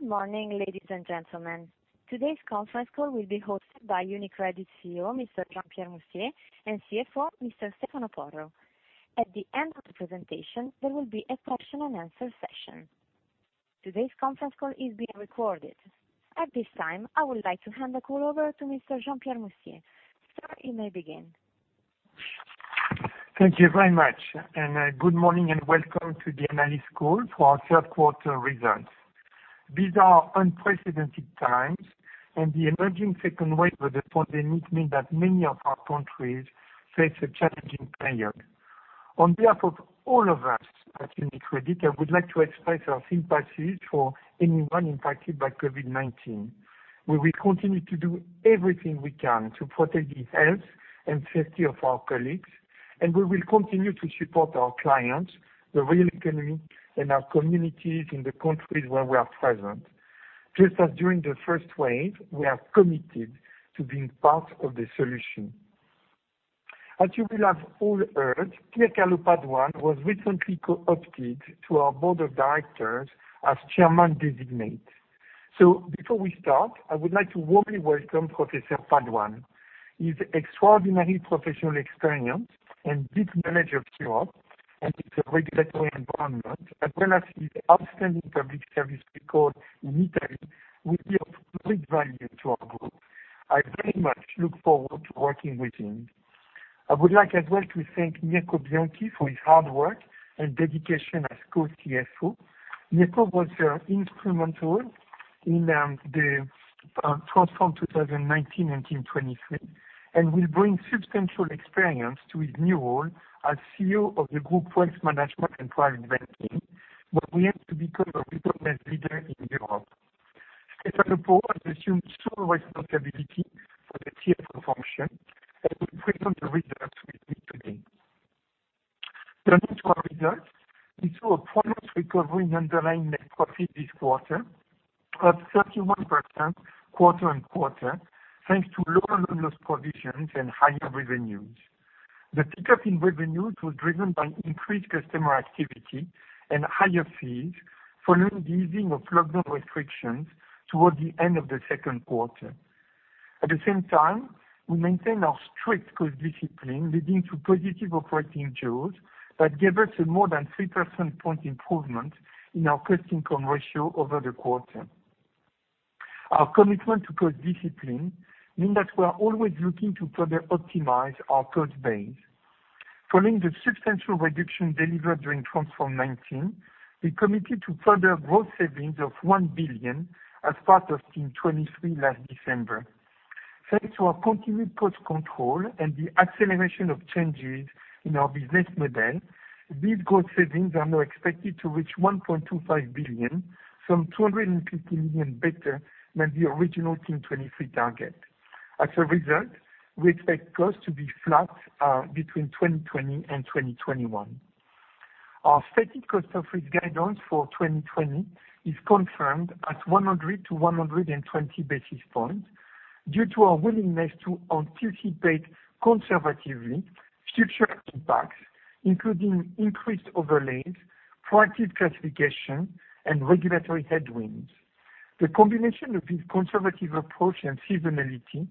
Good morning, ladies and gentlemen. Today's conference call will be hosted by UniCredit CEO, Mr. Jean Pierre Mustier, and CFO, Mr. Stefano Porro. At the end of the presentation, there will be a question and answer session. Today's conference call is being recorded. At this time, I would like to hand the call over to Mr. Jean Pierre Mustier. Sir, you may begin. Thank you very much, and good morning and welcome to the analyst call for our third quarter results. These are unprecedented times, and the emerging second wave of the pandemic means that many of our countries face a challenging period. On behalf of all of us at UniCredit, I would like to express our sympathies for anyone impacted by COVID-19. We will continue to do everything we can to protect the health and safety of our colleagues, and we will continue to support our clients, the real economy, and our communities in the countries where we are present, just as during the first wave, we are committed to being part of the solution. As you will have all heard, Pier Carlo Padoan was recently co-opted to our Board of Directors as Chairman Designate. Before we start, I would like to warmly welcome Professor Padoan. His extraordinary professional experience and deep knowledge of Europe and the regulatory environment, as well as his outstanding public service record in Italy, will be of great value to our group. I very much look forward to working with him. I would like as well to thank Mirko Bianchi for his hard work and dedication as Co-CFO. Mirko was instrumental in the Transform 2019 and Team 23, and will bring substantial experience to his new role as CEO of the group Wealth Management and Private Banking, where we aim to become a recognized leader in Europe. Stefano Porro has assumed sole responsibility for the CFO function, and will present the results with me today. Turning to our results, we saw a promised recovery in underlying net profit this quarter, up 31% quarter-on-quarter, thanks to lower loan loss provisions and higher revenues. The pickup in revenues was driven by increased customer activity and higher fees following the easing of lockdown restrictions towards the end of the second quarter. At the same time, we maintain our strict cost discipline, leading to positive operating jaws that gave us a more than 3% point improvement in our cost-income ratio over the quarter. Our commitment to cost discipline means that we are always looking to further optimize our cost base. Following the substantial reduction delivered during Transform 2019, we committed to further growth savings of 1 billion as part of Team 23 last December. Thanks to our continued cost control and the acceleration of changes in our business model, these cost savings are now expected to reach 1.25 billion, some 250 million better than the original Team 23 target. As a result, we expect costs to be flat between 2020 and 2021. Our stated cost of risk guidance for 2020 is confirmed at 100 basis points to 120 basis points due to our willingness to anticipate conservatively future impacts, including increased overlays, proactive classification, and regulatory headwinds. The combination of this conservative approach and seasonality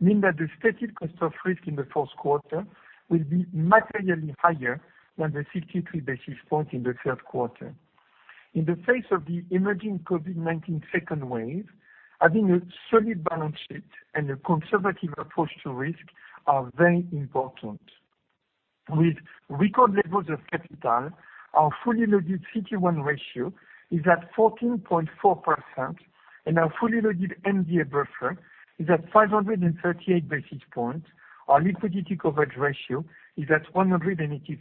means that the stated cost of risk in the fourth quarter will be materially higher than the 53 basis points in the third quarter. In the face of the emerging COVID-19 second wave, having a solid balance sheet and a conservative approach to risk are very important. With record levels of capital, our fully loaded CET1 ratio is at 14.4%, and our fully loaded MDA buffer is at 538 basis points, our liquidity coverage ratio is at 183%.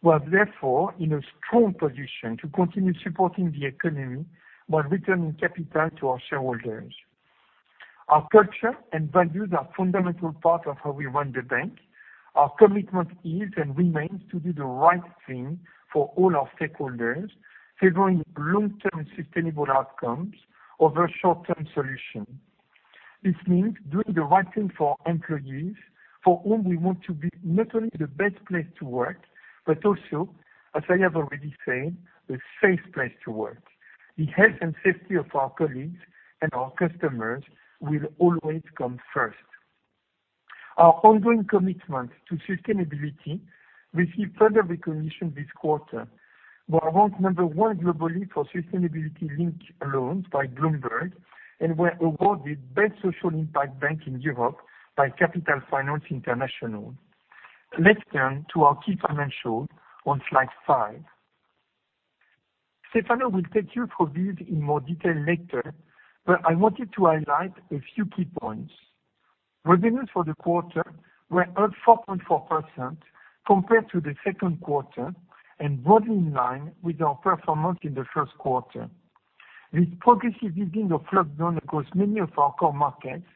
We are, therefore, in a strong position to continue supporting the economy while returning capital to our shareholders. Our culture and values are a fundamental part of how we run the bank. Our commitment is and remains to do the right thing for all our stakeholders, favoring long-term and sustainable outcomes over short-term solutions. This means doing the right thing for our employees, for whom we want to be not only the best place to work, but also, as I have already said, a safe place to work. The health and safety of our colleagues and our customers will always come first. Our ongoing commitment to sustainability received further recognition this quarter. We are ranked number one globally for sustainability-linked loans by Bloomberg, and were awarded Best Social Impact Bank in Europe by Capital Finance International. Let's turn to our key financials on slide five. Stefano will take you through these in more detail later but I wanted to highlight a few key points. Revenues for the quarter were up 4.4% compared to the second quarter and broadly in line with our performance in the first quarter. This progressive easing of lockdowns across many of our core markets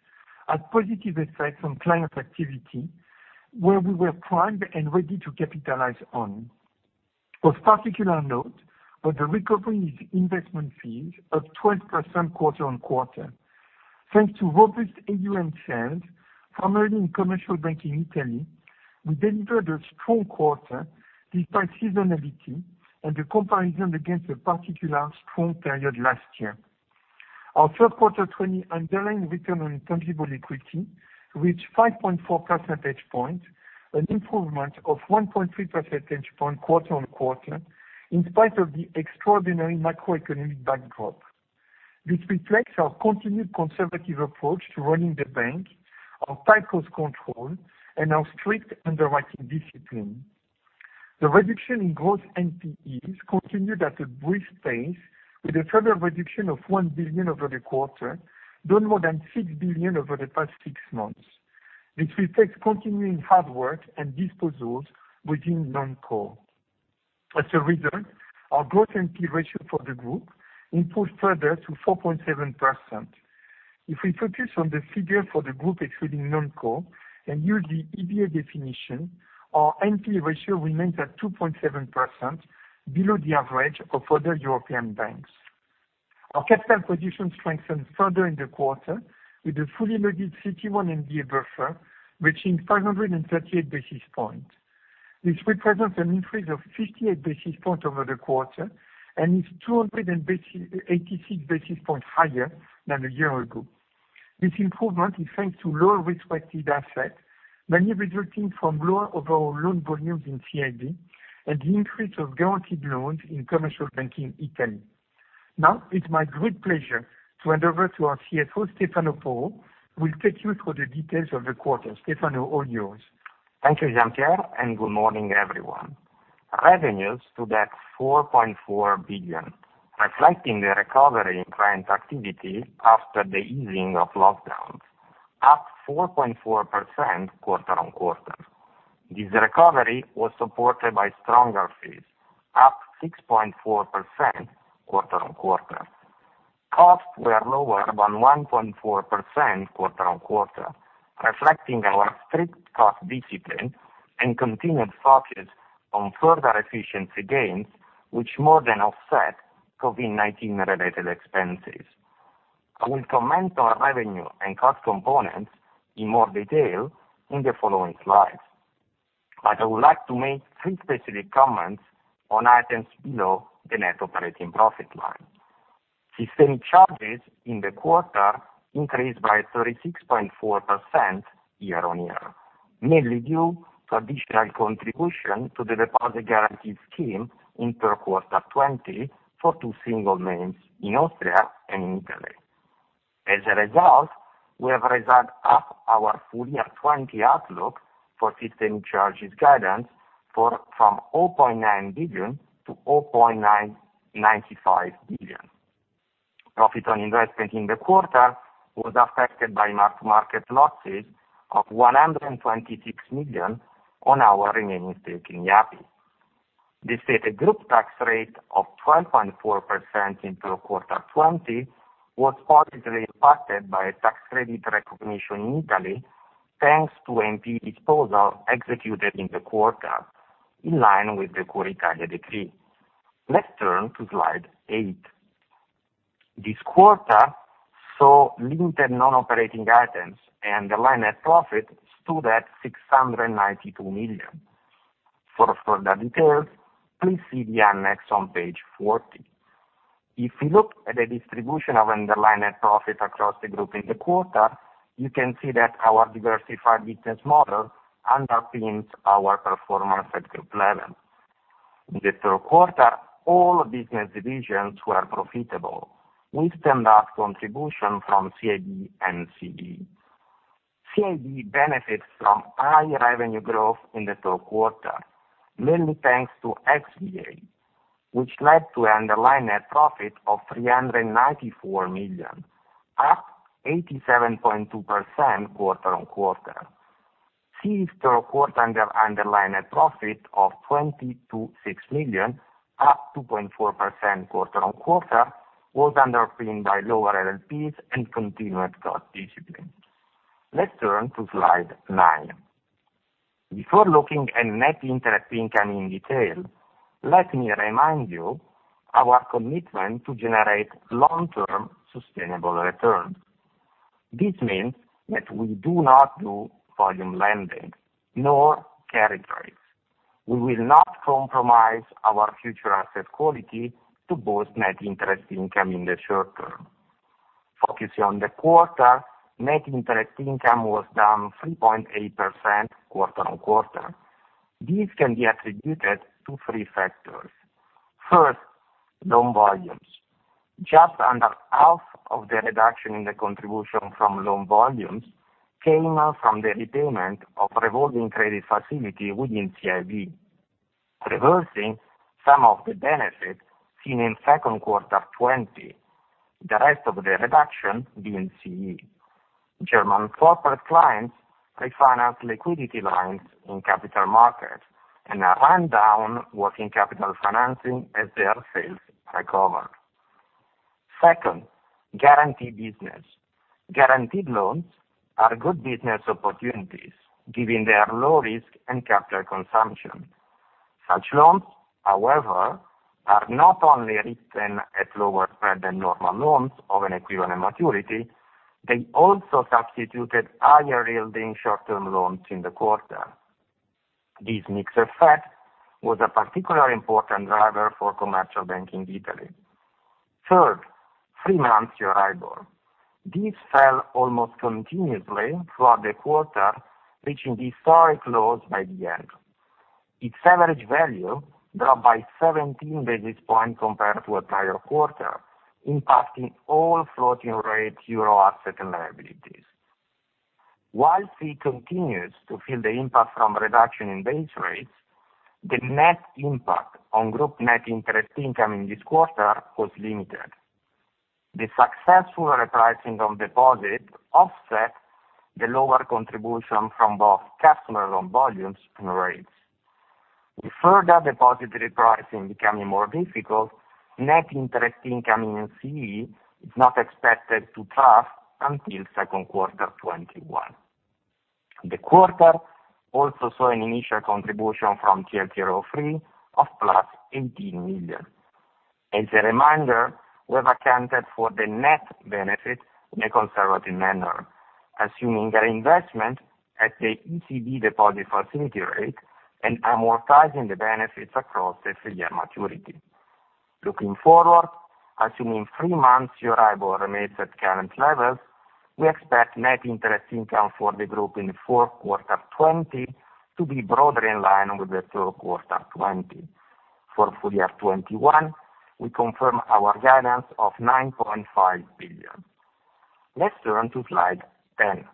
had positive effects on client activity, where we were primed and ready to capitalize on. Of particular note are the recovery in investment fees of 12% quarter-on-quarter thanks to robust AUM sales, primarily in commercial banking in Italy, we delivered a strong quarter despite seasonality, and the comparison against a particularly strong period last year. Our third quarter 2020 underlying return on tangible equity reached 5.4 percentage points, an improvement of 1.3 percentage points quarter-on-quarter, in spite of the extraordinary macroeconomic backdrop. This reflects our continued conservative approach to running the bank, our tight cost control, and our strict underwriting discipline. The reduction in gross NPEs continued at a brisk pace, with a further reduction of 1 billion over the quarter, down more than 6 billion over the past six months. This reflects continuing hard work and disposals within non-core. As a result, our gross NPE ratio for the group improved further to 4.7%. If we focus on the figure for the group excluding non-core and use the EBA definition, our NPE ratio remains at 2.7%, below the average of other European banks. Our capital position strengthened further in the quarter with the fully loaded CET1 MDA buffer reaching 538 basis points. This represents an increase of 58 basis points over the quarter and is 286 basis points higher than a year ago. This improvement is thanks to lower-risk-weighted assets, mainly resulting from lower overall loan volumes in CIB, and the increase of guaranteed loans in commercial banking in Italy. Now it's my great pleasure to hand over to our CFO, Stefano Porro, who will take you through the details of the quarter. Stefano, all yours. Thank you, Jean Pierre, and good morning, everyone. Revenues stood at 4.4 billion, reflecting the recovery in client activities after the easing of lockdowns, up 4.4% quarter-on-quarter. This recovery was supported by stronger fees, up 6.4% quarter-on-quarter. Costs were lower by 1.4% quarter-on-quarter, reflecting our strict cost discipline and continued focus on further efficiency gains, which more than offset COVID-19 related expenses. I will comment on revenue and cost components in more detail in the following slides, but I would like to make three specific comments on items below the net operating profit line. System charges in the quarter increased by 36.4% year-on-year, mainly due to additional contribution to the deposit guarantee scheme in the third quarter of 2020 for two single names in Austria and in Italy. As a result, we have raised up our full-year 2020 outlook for system charges guidance from 900,000,000 million to 995,000,000 million. Profit on investment in the quarter was affected by mark-to-market losses of 126 million on our remaining stake in Yapı. This a group tax rate of 12.4% in the third quarter of 2020 was positively impacted by a tax credit recognition in Italy thanks to NPE disposal executed in the quarter, in line with the Cura Italia decree. Let's turn to slide eight. This quarter saw limited non-operating items. Underlying net profit stood at 692 million. For further details, please see the annex on page 40. If we look at the distribution of underlying net profit across the group in the quarter, you can see that our diversified business model underpins our performance at group level. In the third quarter, all business divisions were profitable, with standout contribution from CIB and CER. CIB benefits from high revenue growth in the third quarter, mainly thanks to XVA, which led to an underlying net profit of 394 million, up 87.2% quarter-on-quarter. CEE's third quarter underlying net profit of EUR 22.6 million, up 2.4% quarter-on-quarter, was underpinned by lower LLPs and continued cost discipline. Let's turn to slide nine. Before looking at net interest income in detail, let me remind you our commitment to generate long-term sustainable returns. This means that we do not do volume lending nor carry trades. We will not compromise our future asset quality to boost net interest income in the short term. Focusing on the quarter, net interest income was down 3.8% quarter-on-quarter. This can be attributed to three factors. First, loan volumes. Just under half of the reduction in the contribution from loan volumes came from the repayment of revolving credit facility within CIB, reversing some of the benefit seen in second quarter 2020, the rest of the reduction being CE. German corporate clients refinance liquidity lines in capital markets, and a rundown was in capital financing as their sales recover. Second, guarantee business. Guaranteed loans are good business opportunities given their low risk and capital consumption. Such loans, however, are not only written at lower spread than normal loans of an equivalent maturity, they also substituted higher-yielding short-term loans in the quarter. This mixed effect was a particular important driver for commercial banking Italy. Third, three-month Euribor, this fell almost continuously throughout the quarter, reaching historic lows by the end. Its average value dropped by 17 basis points compared to a prior quarter, impacting all floating rate euro asset and liabilities. While NII continues to feel the impact from reduction in base rates, the net impact on group Net Interest Income in this quarter was limited. The successful repricing of deposit offset the lower contribution from both customer loan volumes and rates. With further deposit repricing becoming more difficult, Net Interest Income in CE is not expected to pass until second quarter 2021. The quarter also saw an initial contribution from TLTRO III of +18 million. As a reminder, we have accounted for the net benefit in a conservative manner, assuming our investment at the ECB deposit facility rate and amortizing the benefits across the full year maturity. Looking forward, assuming three months EURIBOR remains at current levels, we expect net interest Income for the group in the fourth quarter 2020 to be broadly in line with the third quarter 2020. For full-year 2021, we confirm our guidance of 9.5 billion. Let's turn to slide 10.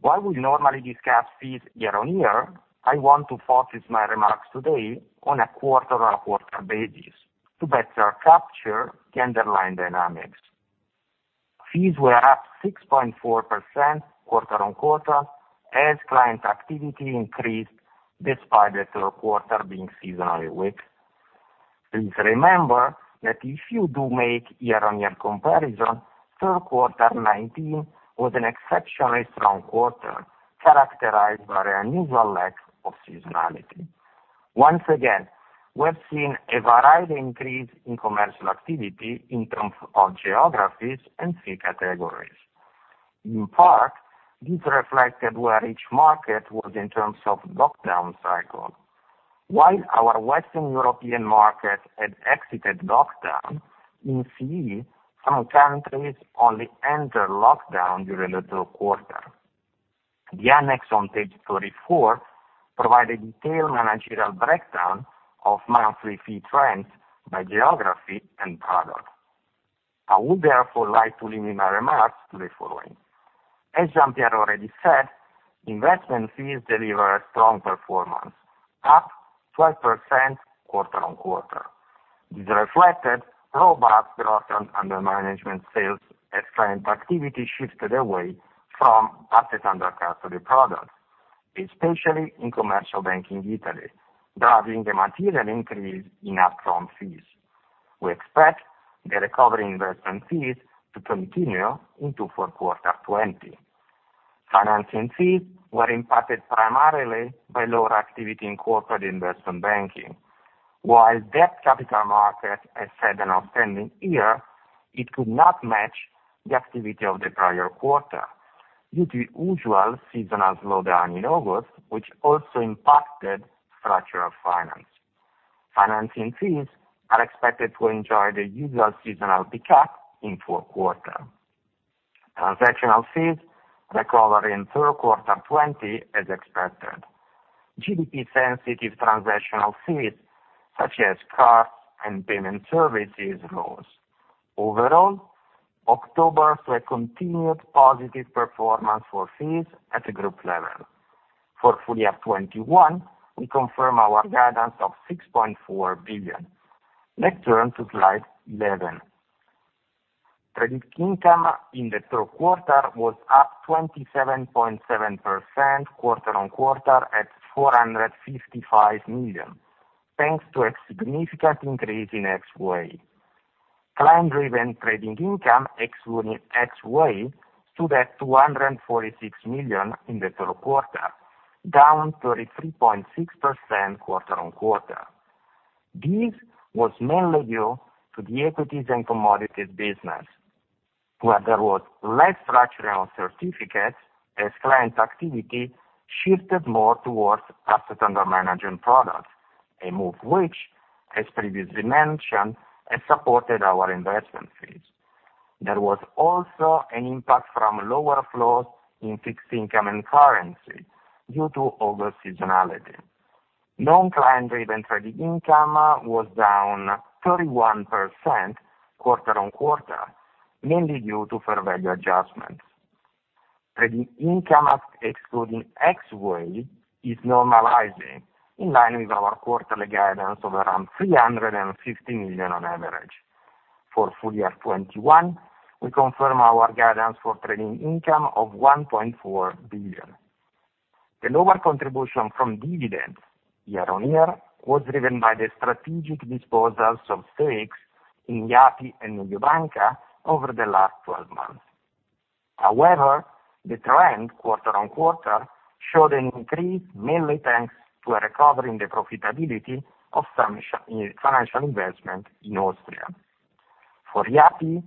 While we normally discuss fees year-on-year, I want to focus my remarks today on a quarter-on-quarter basis to better capture the underlying dynamics. Fees were up 6.4% quarter-on-quarter as client activity increased despite the third quarter being seasonally weak. Please remember that if you do make year-on-year comparison, third quarter 2019 was an exceptionally strong quarter, characterized by an unusual lack of seasonality. Once again, we have seen a varied increase in commercial activity in terms of geographies and fee categories. In part, this reflected where each market was in terms of lockdown cycle. While our Western European market had exited lockdown, in CE, some countries only entered lockdown during the third quarter. The annex on page 34 provide a detailed managerial breakdown of monthly fee trends by geography and product. I would therefore like to limit my remarks to the following. As Jean Pierre already said, investment fees deliver a strong performance, up 12% quarter-on-quarter. This reflected robust growth under management sales as client activity shifted away from assets under custody products, especially in commercial banking Italy, driving a material increase in upfront fees. We expect the recovery investment fees to continue into fourth quarter 2020. Financing fees were impacted primarily by lower activity in corporate investment banking. While that capital market has had an outstanding year, it could not match the activity of the prior quarter due to the usual seasonal slowdown in August, which also impacted structural finance. Financing fees are expected to enjoy the usual seasonal pick-up in fourth quarter. Transactional fees recovered in third quarter 2020 as expected. GDP-sensitive transactional fees, such as cards and payment services, rose. Overall, October saw a continued positive performance for fees at the group level. For full-year 2021, we confirm our guidance of 6.4 billion. Let's turn to slide 11. Trading income in the third quarter was up 27.7% quarter-over-quarter at 455 million, thanks to a significant increase in XVA. Client-driven trading income excluding XVA stood at 246 million in the third quarter, down 33.6% quarter-over-quarter. This was mainly due to the equities and commodities business, where there was less structuring of certificates as client activity shifted more towards assets under management products, a move which, as previously mentioned, has supported our investment fees. There was also an impact from lower flows in fixed income and currency due to August seasonality. Non-client driven trading income was down 31% quarter-over-quarter, mainly due to fair value adjustments. Trading income excluding XVA is normalizing in line with our quarterly guidance of around 350 million on average. For full year 2021, we confirm our guidance for trading income of 1.4 billion. The lower contribution from dividends year-over-year was driven by the strategic disposals of stakes in Yapı and Nuju Bank over the last 12 months. However, the trend quarter-over-quarter showed an increase, mainly thanks to a recovery in the profitability of financial investment in Austria. For Yapı,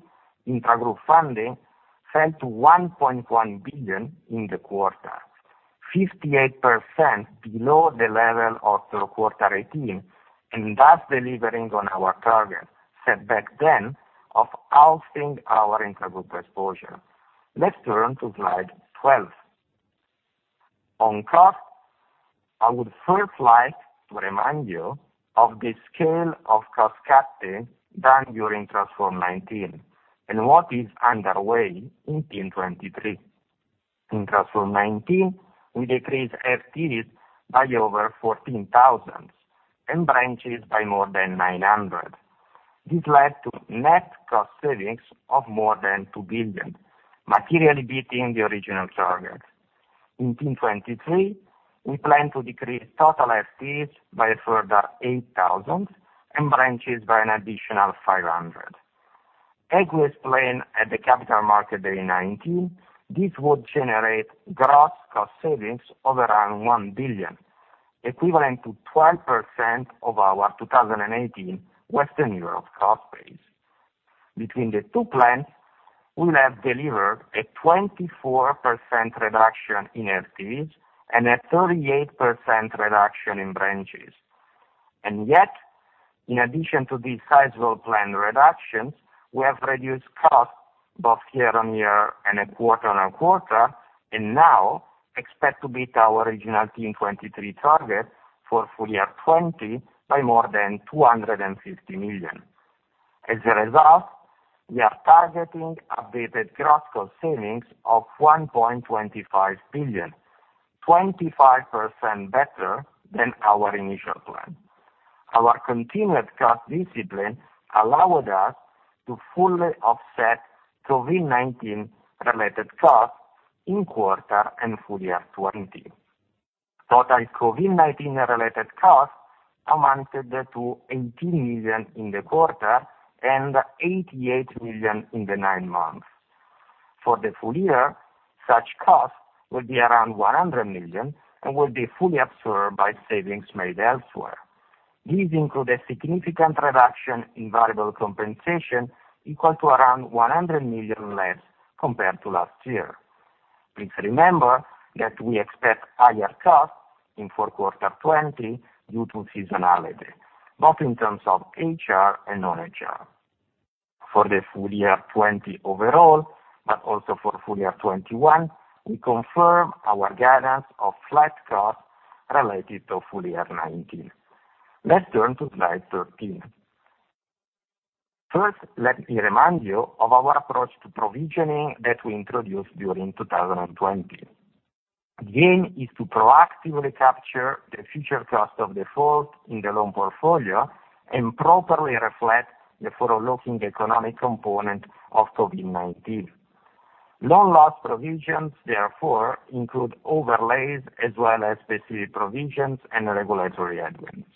intragroup funding fell to 1.1 billion in the quarter, 58% below the level of quarter 2018, and thus delivering on our target set back then of halving our intragroup exposure. Let's turn to slide 12. On cost, I would first like to remind you of the scale of cost-cutting done during Transform 19 and what is underway in Team 23. In Transform 19, we decreased FTEs by over 14,000 and branches by more than 900. This led to net cost savings of more than 2 billion, materially beating the original target. In Team 23, we plan to decrease total FTEs by a further 8,000 and branches by an additional 500. As we explained at the Capital Market Day 2019, this would generate gross cost savings of around 1 billion, equivalent to 12% of our 2018 Western Europe cost base. Between the two plans, we'll have delivered a 24% reduction in FTEs and a 38% reduction in branches. Yet, in addition to these sizable planned reductions, we have reduced costs both year-over-year and quarter-over-quarter, and now expect to beat our original Team 23 target for full-year 2020 by more than 250 million. As a result, we are targeting updated gross cost savings of 1.25 billion, 25% better than our initial plan. Our continued cost discipline allowed us to fully offset COVID-19 related costs in quarter and full-year 2020. Total COVID-19 related costs amounted to 18 million in the quarter and 88 million in the nine months. For the full year, such costs will be around 100 million and will be fully absorbed by savings made elsewhere. These include a significant reduction in variable compensation equal to around 100 million less compared to last year. Please remember that we expect higher costs in fourth quarter 2020 due to seasonality, both in terms of HR and non-HR. For the full-year 2020 overall, but also for full-year 2021, we confirm our guidance of flat costs related to full-year 2019. Let's turn to slide 13. First, let me remind you of our approach to provisioning that we introduced during 2020. The aim is to proactively capture the future cost of default in the loan portfolio and properly reflect the forward-looking economic component of COVID-19. Loan loss provisions, therefore, include overlays as well as specific provisions and regulatory headwinds.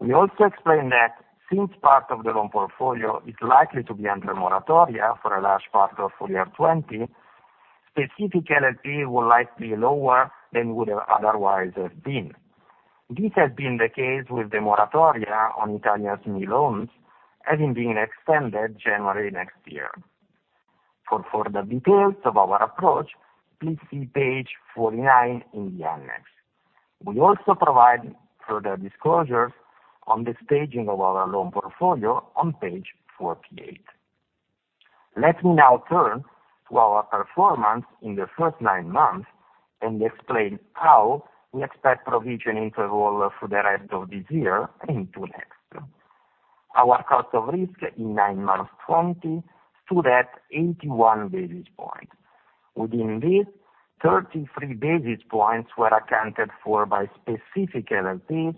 We also explain that since part of the loan portfolio is likely to be under moratoria for a large part of full-year 2020, specific LLP will likely be lower than it would otherwise have been. This has been the case with the moratoria on Italian SME loans, having been extended January next year. For further details of our approach, please see page 49 in the annex. We also provide further disclosures on the staging of our loan portfolio on page 48. Let me now turn to our performance in the first nine months and explain how we expect provisioning to evolve for the rest of this year and into next. Our cost of risk in nine months 2020 stood at 81 basis points. Within this, 33 basis points were accounted for by specific LLPs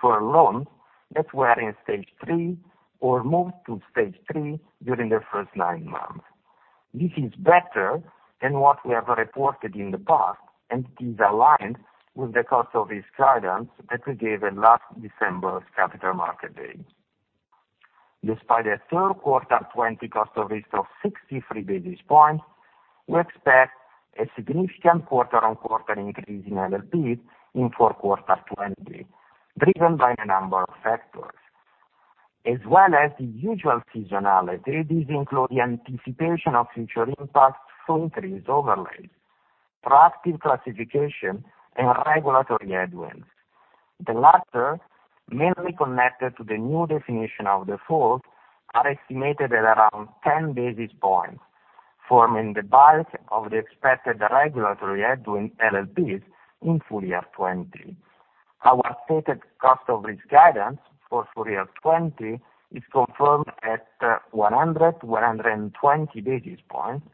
for loans that were in stage 3 or moved to stage 3 during the first nine months. This is better than what we have reported in the past. It is aligned with the cost of risk guidance that we gave at last December's Capital Market Day. Despite a third quarter 20 cost of risk of 53 basis points, we expect a significant quarter-on-quarter increase in LLPs in fourth quarter 2020, driven by a number of factors. As well as the usual seasonality, these include the anticipation of future impacts from risk overlays, proactive classification, and regulatory headwinds. The latter, mainly connected to the new definition of default, are estimated at around 10 basis points, forming the bulk of the expected regulatory headwind LLPs in full-year 2020. Our stated cost of risk guidance for full-year 2020 is confirmed at 100 basis points to 120 basis points,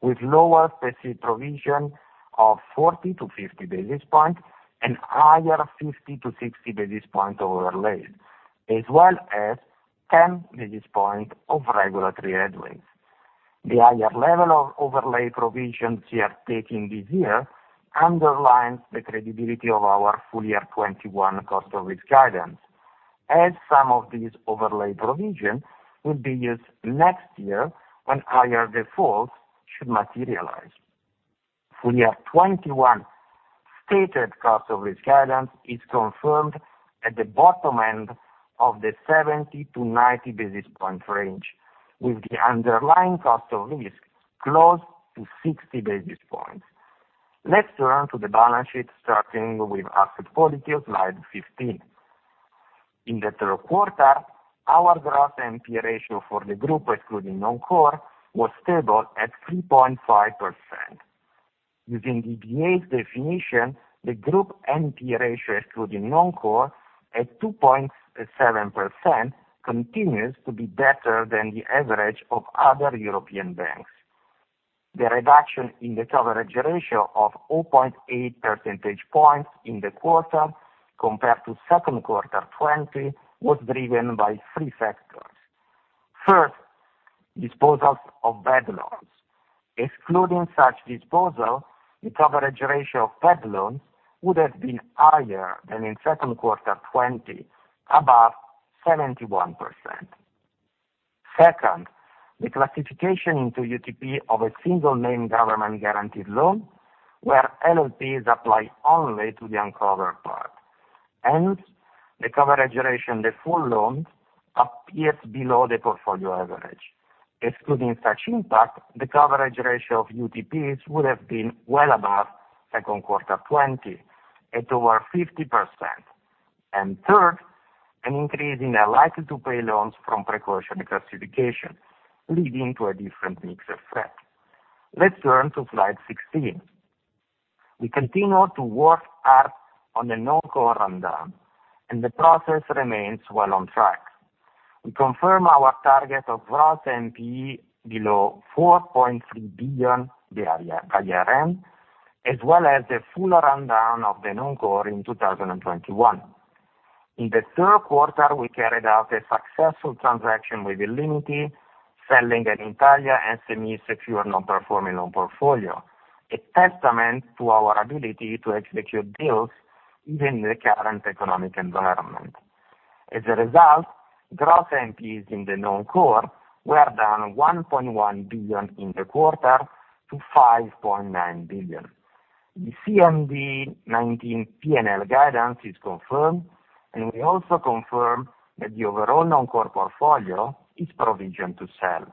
with lower specific provision of 40 basis points to 50 basis points and higher 50 basis points to 60 basis point overlay, as well as 10 basis points of regulatory headwinds. The higher level of overlay provisions we are taking this year underlines the credibility of our full-year 2021 cost of risk guidance. As some of these overlay provisions will be used next year when higher defaults should materialize. Full-year 2021 stated cost of risk guidance is confirmed at the bottom end of the 70 basis points to 90 basis point range, with the underlying cost of risk close to 60 basis points. Let's turn to the balance sheet, starting with asset quality on slide 15. In the third quarter, our gross NPE ratio for the group excluding non-core, was stable at 3.5%. Using the EBA's definition, the group NPE ratio excluding non-core at 2.7% continues to be better than the average of other European banks. The reduction in the coverage ratio of 0.8 percentage points in the quarter compared to second quarter 2020, was driven by three factors. First, disposals of bad loans. Excluding such disposal, the coverage ratio of bad loans would have been higher than in second quarter 20, above 71%. Second, the classification into UTP of a single main government-guaranteed loan, where LLPs apply only to the uncovered part, and the coverage ratio on the full loan appears below the portfolio average. Excluding such impact, the coverage ratio of UTPs would have been well above second quarter 2020, at over 50%, and third, an increase in likely to pay loans from precaution classification, leading to a different mix effect. Let's turn to slide 16. We continue to work hard on the non-core rundown, and the process remains well on track. We confirm our target of gross NPE below 4.3 billion by year-end, as well as the full rundown of the non-core in 2021. In the third quarter, we carried out a successful transaction with illimity, selling an Italian semi-secure non-performing loan portfolio, a testament to our ability to execute deals even in the current economic environment. As a result, gross NPEs in the non-core were down 1.1 billion in the quarter to 5.9 billion. The CMD 2019 P&L guidance is confirmed. We also confirm that the overall non-core portfolio is provision to sell.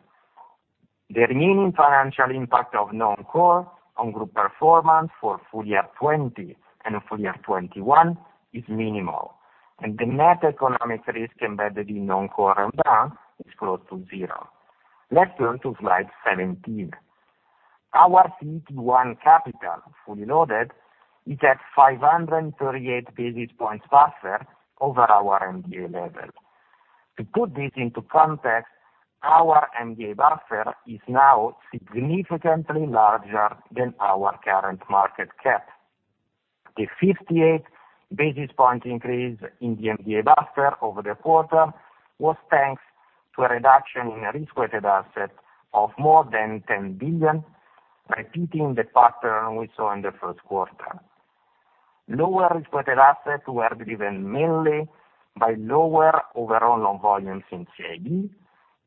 The remaining financial impact of non-core on group performance for full-year 2020 and full-year 2021 is minimal. The net economic risk embedded in non-core rundown is close to zero. Let's turn to slide 17. Our CET1 capital, fully loaded, is at 538 basis points buffer over our MDA level. To put this into context, our MDA buffer is now significantly larger than our current market cap. The 58 basis point increase in the MDA buffer over the quarter was thanks to a reduction in risk-weighted assets of more than 10 billion, repeating the pattern we saw in the first quarter. Lower risk-weighted assets were driven mainly by lower overall loan volumes in CIB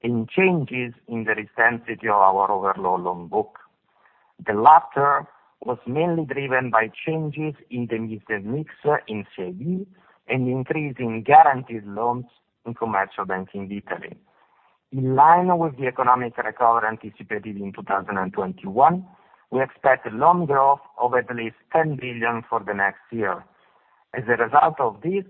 and changes in the risk density of our overall loan book. The latter was mainly driven by changes in the mix in CIB, an increase in guaranteed loans in commercial banking in Italy. In line with the economic recovery anticipated in 2021, we expect loan growth of at least 10 billion for the next year. As a result of this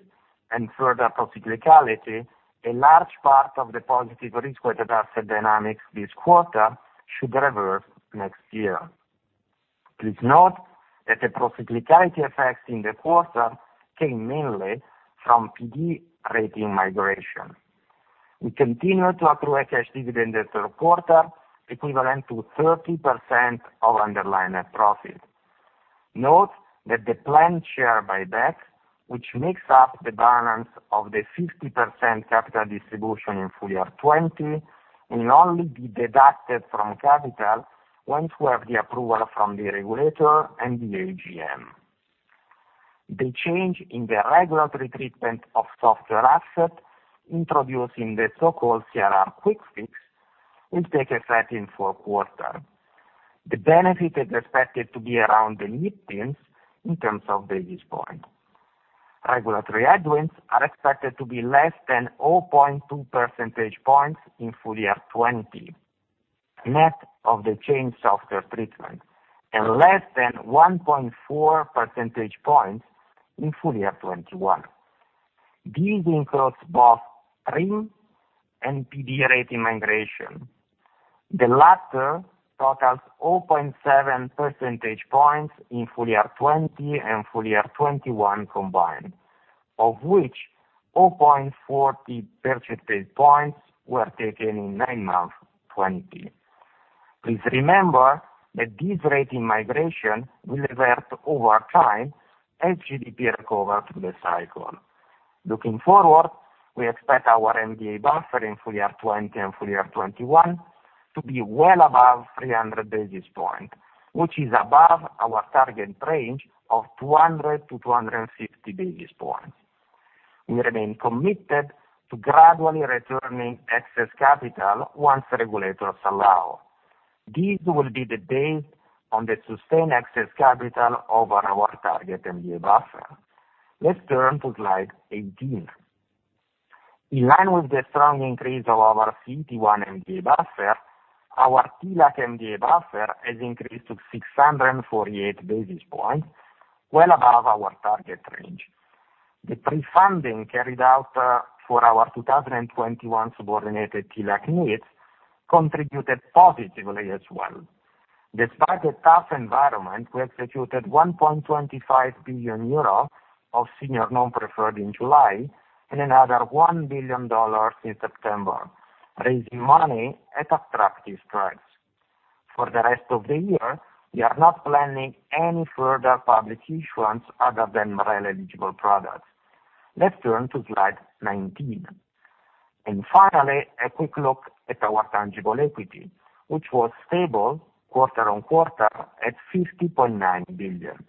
and further procyclicality, a large part of the positive risk-weighted asset dynamics this quarter should reverse next year. Please note that the procyclicality effects in the quarter came mainly from PD rating migration. We continue to accrue a cash dividend in the third quarter equivalent to 30% of underlying net profit. Note that the planned share buyback, which makes up the balance of the 50% capital distribution in full-year 2020, will only be deducted from capital once we have the approval from the regulator and the AGM. The change in the regulatory treatment of software asset introduced in the so-called CRR quick fix will take effect in four quarters. The benefit is expected to be around the mid-teens in terms of basis point. Regulatory headwinds are expected to be less than 0.2 percentage points in full-year 2020, net of the changed software treatment, and less than 1.4 percentage points in full-year 2021. This includes both TRIM and PD rating migration. The latter totals 0.7 percentage points in full-year 2020 and full-year 2021 combined, of which 0.40 percentage points were taken in nine months 2020. Please remember that this rating migration will revert over time as GDP recovers through the cycle. Looking forward, we expect our MDA buffer in full-year 2020 and full-year 2021 to be well above 300 basis points, which is above our target range of 200 basis points to 250 basis points. We remain committed to gradually returning excess capital once regulators allow. These will be the days on the sustained excess capital over our target MDA buffer. Let's turn to slide 18. In line with the strong increase of our CET1 MDA buffer, our TLAC MGA buffer has increased to 648 basis points, well above our target range. The pre-funding carried out for our 2021 subordinated TLAC needs contributed positively as well. Despite the tough environment, we executed 1.25 billion euro of senior non-preferred in July and another $1 billion in September, raising money at attractive rates. For the rest of the year, we are not planning any further public issuance other than MREL-eligible products. Let's turn to slide 19. Finally, a quick look at our tangible equity, which was stable quarter-on-quarter at 50.9 billion.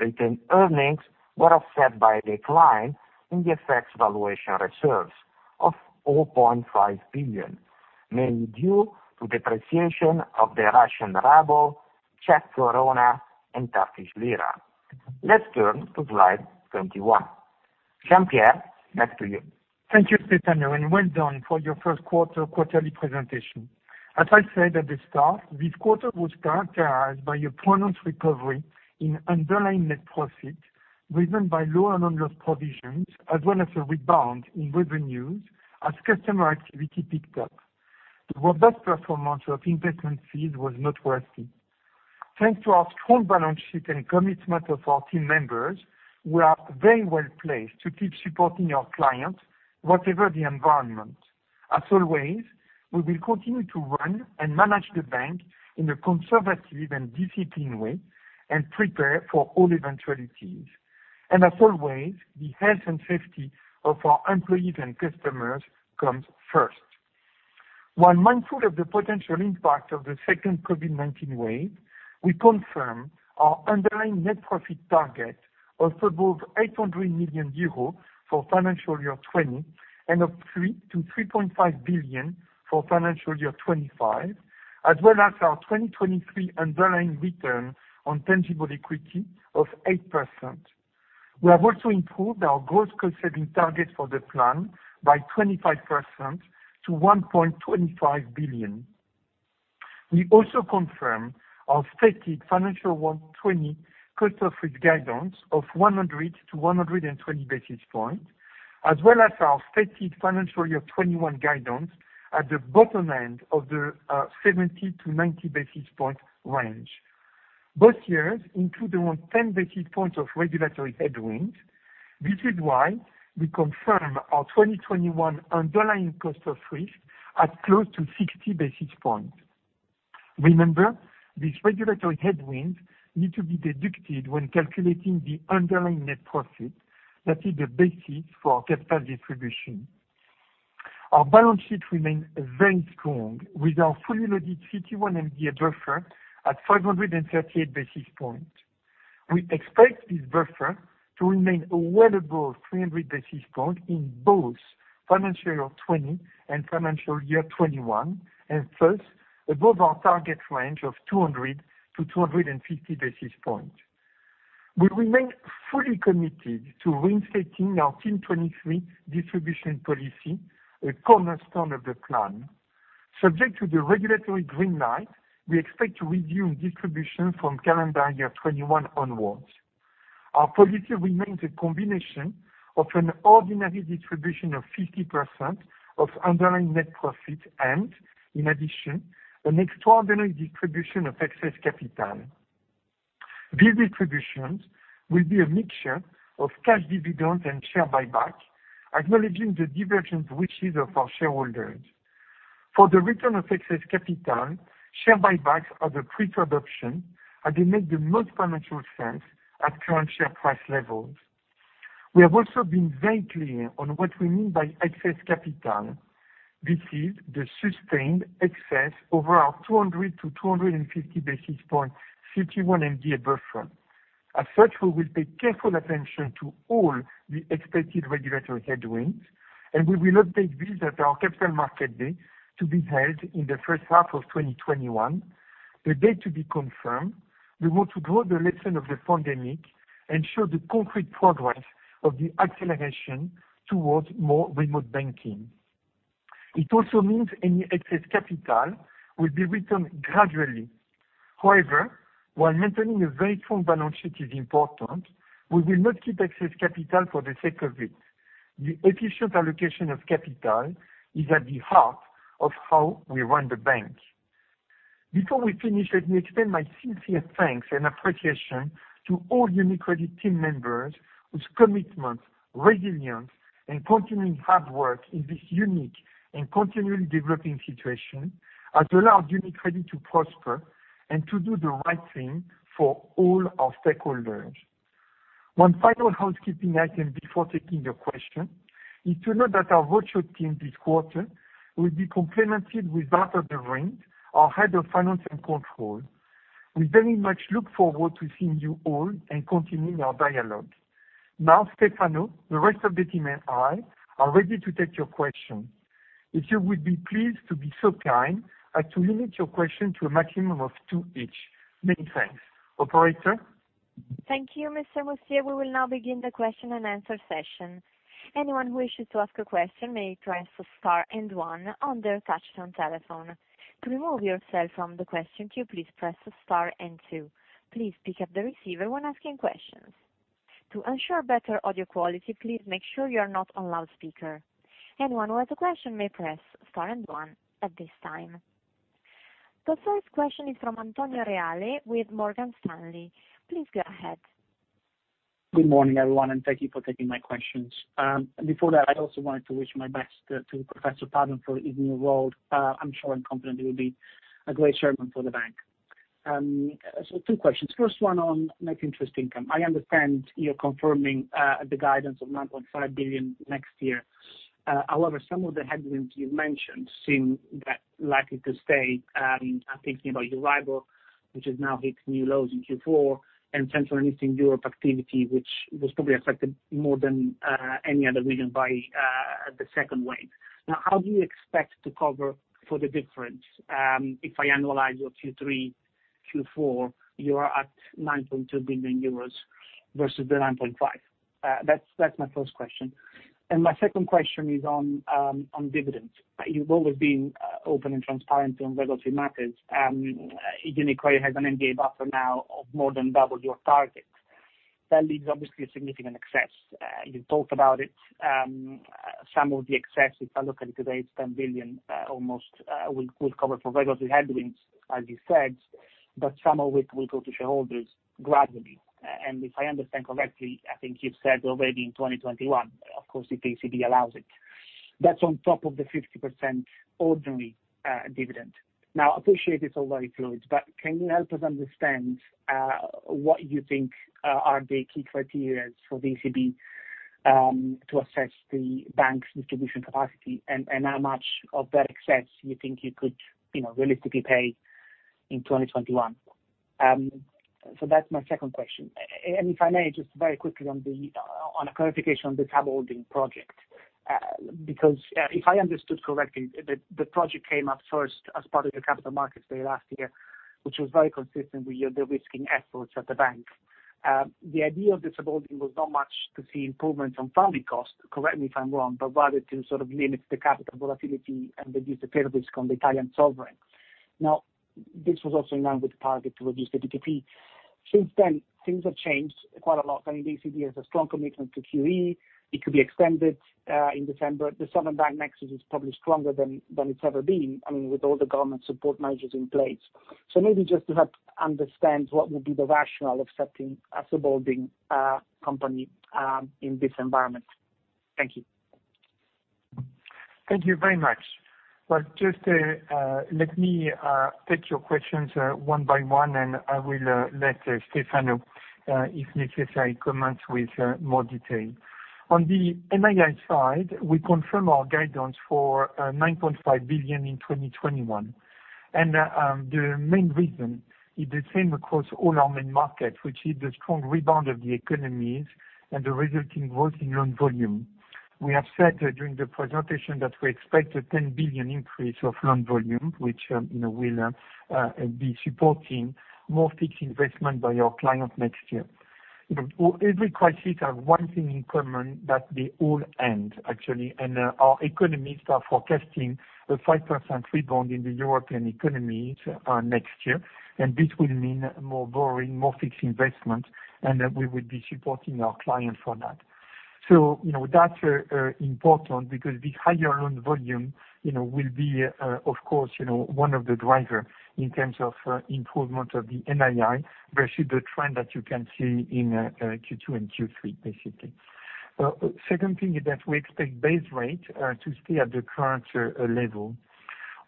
Retained earnings were offset by a decline in the FX valuation reserves of 4.5 billion, mainly due to depreciation of the Russian ruble, Czech koruna, and Turkish lira. Let's turn to slide 21. Jean Pierre, back to you. Thank you, Stefano, and well done for your first quarter quarterly presentation. As I said at the start, this quarter was characterized by a pronounced recovery in underlying net profit, driven by lower loan loss provisions, as well as a rebound in revenues as customer activity picked up. The robust performance of investment fees was noteworthy. Thanks to our strong balance sheet and commitment of our team members, we are very well-placed to keep supporting our clients, whatever the environment. As always, we will continue to run and manage the bank in a conservative and disciplined way and prepare for all eventualities. As always, the health and safety of our employees and customers comes first. While mindful of the potential impact of the second COVID-19 wave, we confirm our underlying net profit target of above 800 million euros for financial year 2020 and of 3 billion to 3.5 billion for financial year 2025, as well as our 2023 underlying return on tangible equity of 8%. We have also improved our gross cost-saving target for the plan by 25% to 1.25 billion. We also confirm our stated financial year 2020 cost-of-risk guidance of 100 basis points to 120 basis points, as well as our stated financial year 2021 guidance at the bottom end of the 70 basis points to 90 basis point range. Both years include around 10 basis points of regulatory headwinds. This is why we confirm our 2021 underlying cost of risk at close to 60 basis points. Remember, these regulatory headwinds need to be deducted when calculating the underlying net profit that is the basis for our capital distribution. Our balance sheet remains very strong, with our fully loaded CET1 MDA buffer at 538 basis points. We expect this buffer to remain well above 300 basis points in both FY 2020 and FY 2021, and thus, above our target range of 200 basis points to 250 basis points. We remain fully committed to reinstating our Team 23 distribution policy, a cornerstone of the plan. Subject to the regulatory green light, we expect to resume distribution from calendar year 2021 onwards. Our policy remains a combination of an ordinary distribution of 50% of underlying net profit and, in addition, an extraordinary distribution of excess capital. These distributions will be a mixture of cash dividends and share buyback, acknowledging the divergent wishes of our shareholders. For the return of excess capital, share buybacks are the preferred option as they make the most financial sense at current share price levels. We have also been very clear on what we mean by excess capital. This is the sustained excess over our 200 basis points to 250 basis points CET1 MDA buffer. As such, we will pay careful attention to all the expected regulatory headwinds, and we will update this at our Capital Market Day to be held in the first half of 2021, the date to be confirmed. We want to draw the lesson of the pandemic, ensure the concrete progress of the acceleration towards more remote banking. It also means any excess capital will be returned gradually. However, while maintaining a very strong balance sheet is important, we will not keep excess capital for the sake of it. The efficient allocation of capital is at the heart of how we run the bank. Before we finish, let me extend my sincere thanks and appreciation to all UniCredit team members whose commitment, resilience, and continuing hard work in this unique and continually developing situation has allowed UniCredit to prosper and to do the right thing for all our stakeholders. One final housekeeping item before taking your question is to note that our virtual team this quarter will be complemented with that of Lorraine, our Head of Finance and Control. We very much look forward to seeing you all and continuing our dialogue. Now, Stefano, the rest of the team and I are ready to take your questions. If you would be pleased to be so kind as to limit your questions to a maximum of two each. Many thanks. Operator? Thank you, Mr. Mustier. We will now begin the question and answer session. Anyone who wish to ask question may join through star and one on their touchtone telephone. To remove yourself from the question queue, please press star and two. Please pickup the receiver when asking questions. To ensure better audio quality, please make sure you are not on loud speaker. Anyone who has a question, may press star and one at this time. The first question is from Antonio Reale with Morgan Stanley. Please go ahead. Good morning, everyone, and thank you for taking my questions, and before that, I also wanted to wish my best to Professor Padoan for his new role. I'm sure and confident he will be a great chairman for the bank. Two questions. First one on net interest income. I understand you're confirming the guidance of 9.5 billion next year. However, some of the headwinds you mentioned seem likely to stay. I'm thinking about Euribor, which has now hit new lows in Q4, and Central and Eastern Europe activity, which was probably affected more than any other region by the second wave. How do you expect to cover for the difference? If I annualize your Q3, Q4, you are at 9.2 billion euros versus the 9.5 billion. That's my first question. My second question is on dividends. You've always been open and transparent on regulatory matters. UniCredit has an MDA buffer now of more than double your target. That leaves, obviously, a significant excess. You've talked about it. Some of the excess, if I look at it today, it's 10 billion almost, will cover for regulatory headwinds, as you said, but some of it will go to shareholders gradually. If I understand correctly, I think you've said already in 2021, of course, if ECB allows it. That's on top of the 50% ordinary dividend. Now I appreciate it's all very fluid, but can you help us understand what you think are the key criteria for the ECB, to assess the bank's distribution capacity and how much of that excess you think you could, you know, realistically pay in 2021? That's my second question. If I may, just very quickly on a clarification on the sub-holding project. If I understood correctly, the project came up first as part of your Capital Market Day last year, which was very consistent with your de-risking efforts at the bank. The idea of the sub-holding was not much to see improvements on funding costs, correct me if I'm wrong, but rather to sort of limit the capital volatility and reduce the tail risk on the Italian sovereign. This was also in line with the target to reduce the BTP. Since then, things have changed quite a lot. The ECB has a strong commitment to QE. It could be extended in December. The sovereign-bank nexus is probably stronger than it's ever been, with all the government support measures in place, so maybe just to help understand what would be the rationale of setting a sub-holding company in this environment. Thank you. Thank you very much. Well, just let me take your questions one by one. I will let Stefano, if necessary, comment with more detail. On the NII side, we confirm our guidance for 9.5 billion in 2021. The main reason is the same across all our main markets, which is the strong rebound of the economies and the resulting growth in loan volume. We have said that during the presentation that we expect a 10 billion increase of loan volume, which will be supporting more fixed investment by your client next year. Every crisis have one thing in common, that they all end, actually. Our economies are forecasting a 5% rebound in the European economies next year. This will mean more borrowing, more fixed investment, and we will be supporting our clients for that. That's important because the higher loan volume will be, of course, one of the drivers in terms of improvement of the NII versus the trend that you can see in Q2 and Q3, basically. Second thing is that we expect base rate to stay at the current level.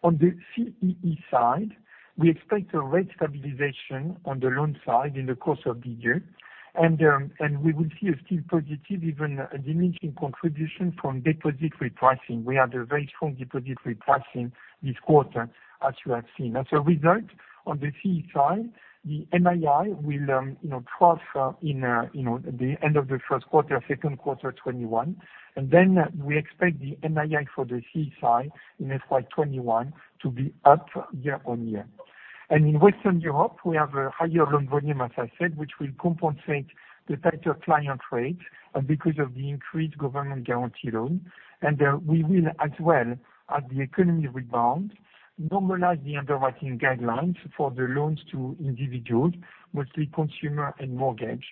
On the CEE side, we expect a rate stabilization on the loan side in the course of the year, and we will see a still positive, even a diminishing contribution from deposit repricing. We had a very strong deposit repricing this quarter, as you have seen. As a result, on the C side, the NII will trough, you know, in the end of the first quarter, second quarter 2021, and then we expect the NII for the C side in FY 2021 to be up year-on-year. In Western Europe, we have a higher loan volume, as I said, which will compensate the tighter client rate and because of the increased government guarantee loan. We will, as well, as the economy rebounds, normalize the underwriting guidelines for the loans to individuals, mostly consumer and mortgage.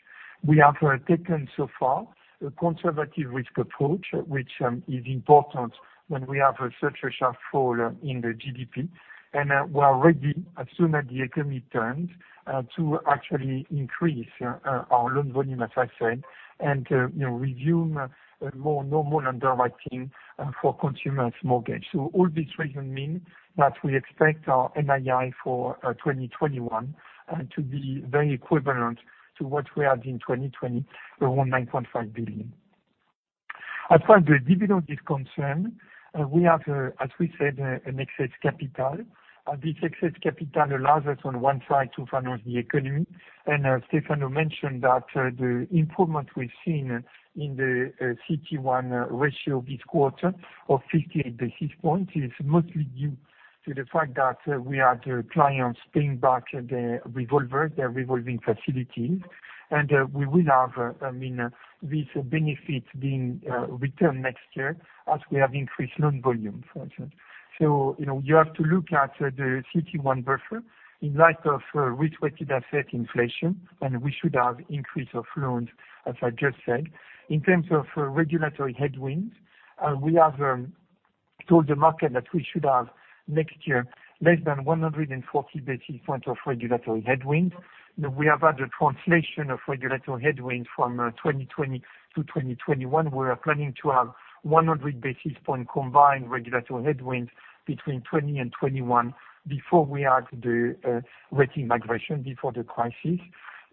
We have taken so far a conservative risk approach, which is important when we have such a sharp fall in the GDP. We are ready as soon as the economy turns to actually increase our loan volume, as I said, and you know, resume a more normal underwriting for consumers mortgage. All these reasons mean that we expect our NII for 2021 to be very equivalent to what we had in 2020, around 9.5 billion. As far as the dividend is concerned, we have, as we said, an excess capital. This excess capital allows us on one side to finance the economy. Stefano mentioned that the improvement we've seen in the CET1 ratio this quarter of 58 basis points is mostly due to the fact that we have the clients paying back the revolver, their revolving facility, and we will have these benefits being returned next year as we have increased loan volume, for instance. You have to look at the CET1 buffer in light of risk-weighted asset inflation, and we should have increase of loans, as I just said. In terms of regulatory headwinds, we have told the market that we should have next year less than 140 basis points of regulatory headwind. We have had a translation of regulatory headwind from 2020 to 2021. We are planning to have 100 basis point combined regulatory headwind between 2020 and 2021 before we had the rating migration, before the crisis.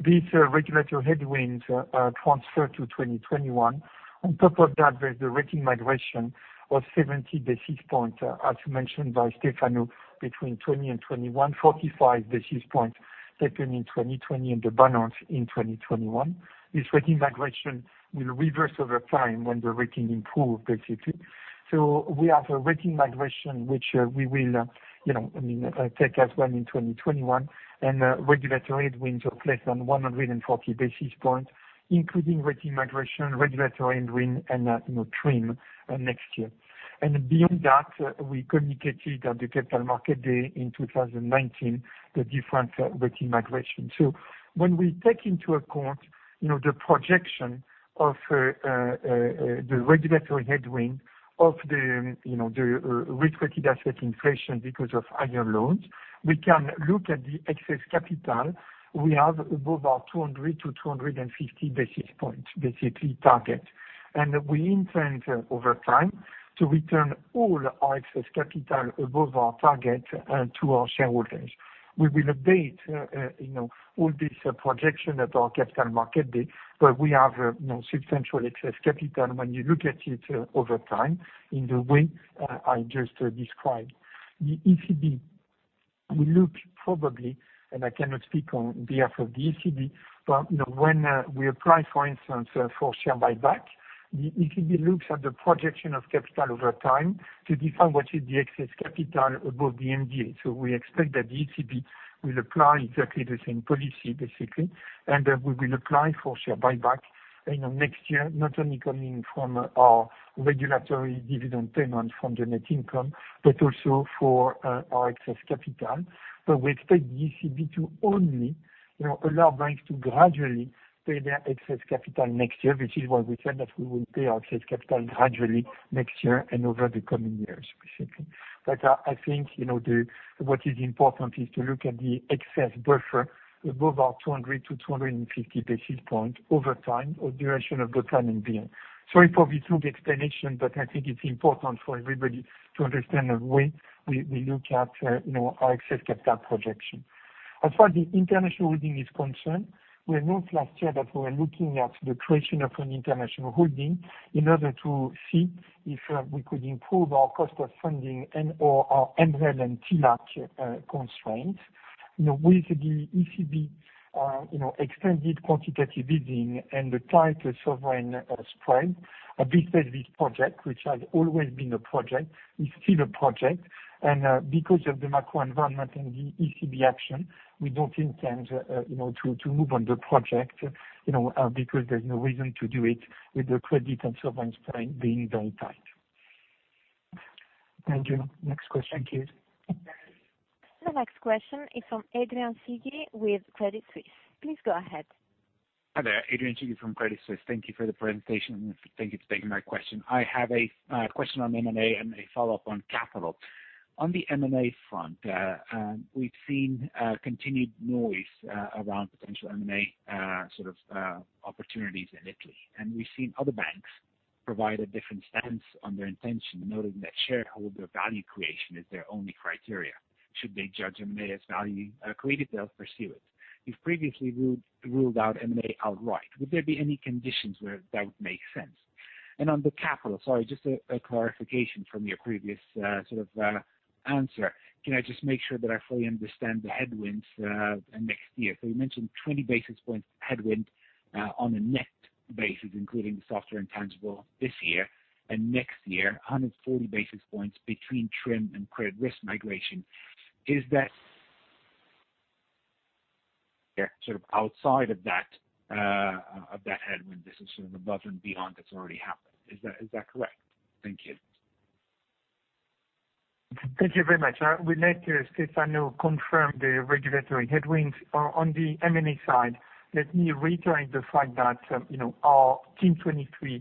These regulatory headwinds transfer to 2021. On top of that, there's the rating migration of 70 basis points, as mentioned by Stefano, between 2020 and 2021, 45 basis points taken in 2020 and the balance in 2021. This rating migration will reverse over time when the rating improves, basically. We have a rating migration which we will take as well in 2021, and regulatory headwinds of less than 140 basis points, including rating migration, regulatory headwind, and TRIM next year. Beyond that, we communicated at the Capital Market Day 2019, the different rating migration. When we take into account the projection of the regulatory headwind of the risk-weighted asset inflation because of higher loans, we can look at the excess capital we have above our 200 basis points to 250 basis points basically target. We intend over time to return all our excess capital above our target to our shareholders. We will update all this projection at our Capital Market Day, we have substantial excess capital when you look at it over time in the way I just described. The ECB will look probably, I cannot speak on behalf of the ECB, when we apply, for instance, for share buyback, the ECB looks at the projection of capital over time to define what is the excess capital above the MDA. We expect that the ECB will apply exactly the same policy, basically, and we will apply for share buyback next year, not only coming from our regulatory dividend payment from the net income, but also for our excess capital. We expect the ECB to only allow banks to gradually pay their excess capital next year, which is why we said that we will pay our excess capital gradually next year and over the coming years, basically. I think what is important is to look at the excess buffer above our 200 basis points to 250 basis points over time or duration of the plan in being. Sorry for this long explanation, but I think it's important for everybody to understand the way we look at our excess capital projection. As far as the international holding is concerned, we announced last year that we were looking at the creation of an international holding in order to see if we could improve our cost of funding and/or our MREL and TLAC constraints. With the ECB extended quantitative easing and the tighter sovereign spread, this phase, this project, which has always been a project, is still a project, and because of the macro environment and the ECB action, we don't intend to move on the project, because there's no reason to do it with the credit and sovereign spread being very tight. Thank you. Next question, please. The next question is from Adrian Cighi with Credit Suisse. Please go ahead. Hi there. Adrian Cighi from Credit Suisse. Thank you for the presentation and thank you for taking my question. I have a question on M&A and a follow-up on capital. On the M&A front, we've seen continued noise around potential M&A sort of opportunities in Italy. We've seen other banks provide a different stance on their intention, noting that shareholder value creation is their only criteria. Should they judge M&A as value accretive, they'll pursue it. You've previously ruled out M&A outright. Would there be any conditions where that would make sense? On the capital, sorry, just a clarification from your previous sort of answer. Can I just make sure that I fully understand the headwinds next year? You mentioned 20 basis points headwind on a net basis, including softer intangible this year and next year, 140 basis points between TRIM and credit risk migration. Is that sort of outside of that headwind? This is sort of above and beyond what's already happened. Is that correct? Thank you. Thank you very much. I will let Stefano confirm the regulatory headwinds. On the M&A side, let me reiterate the fact that, you know, our Team 23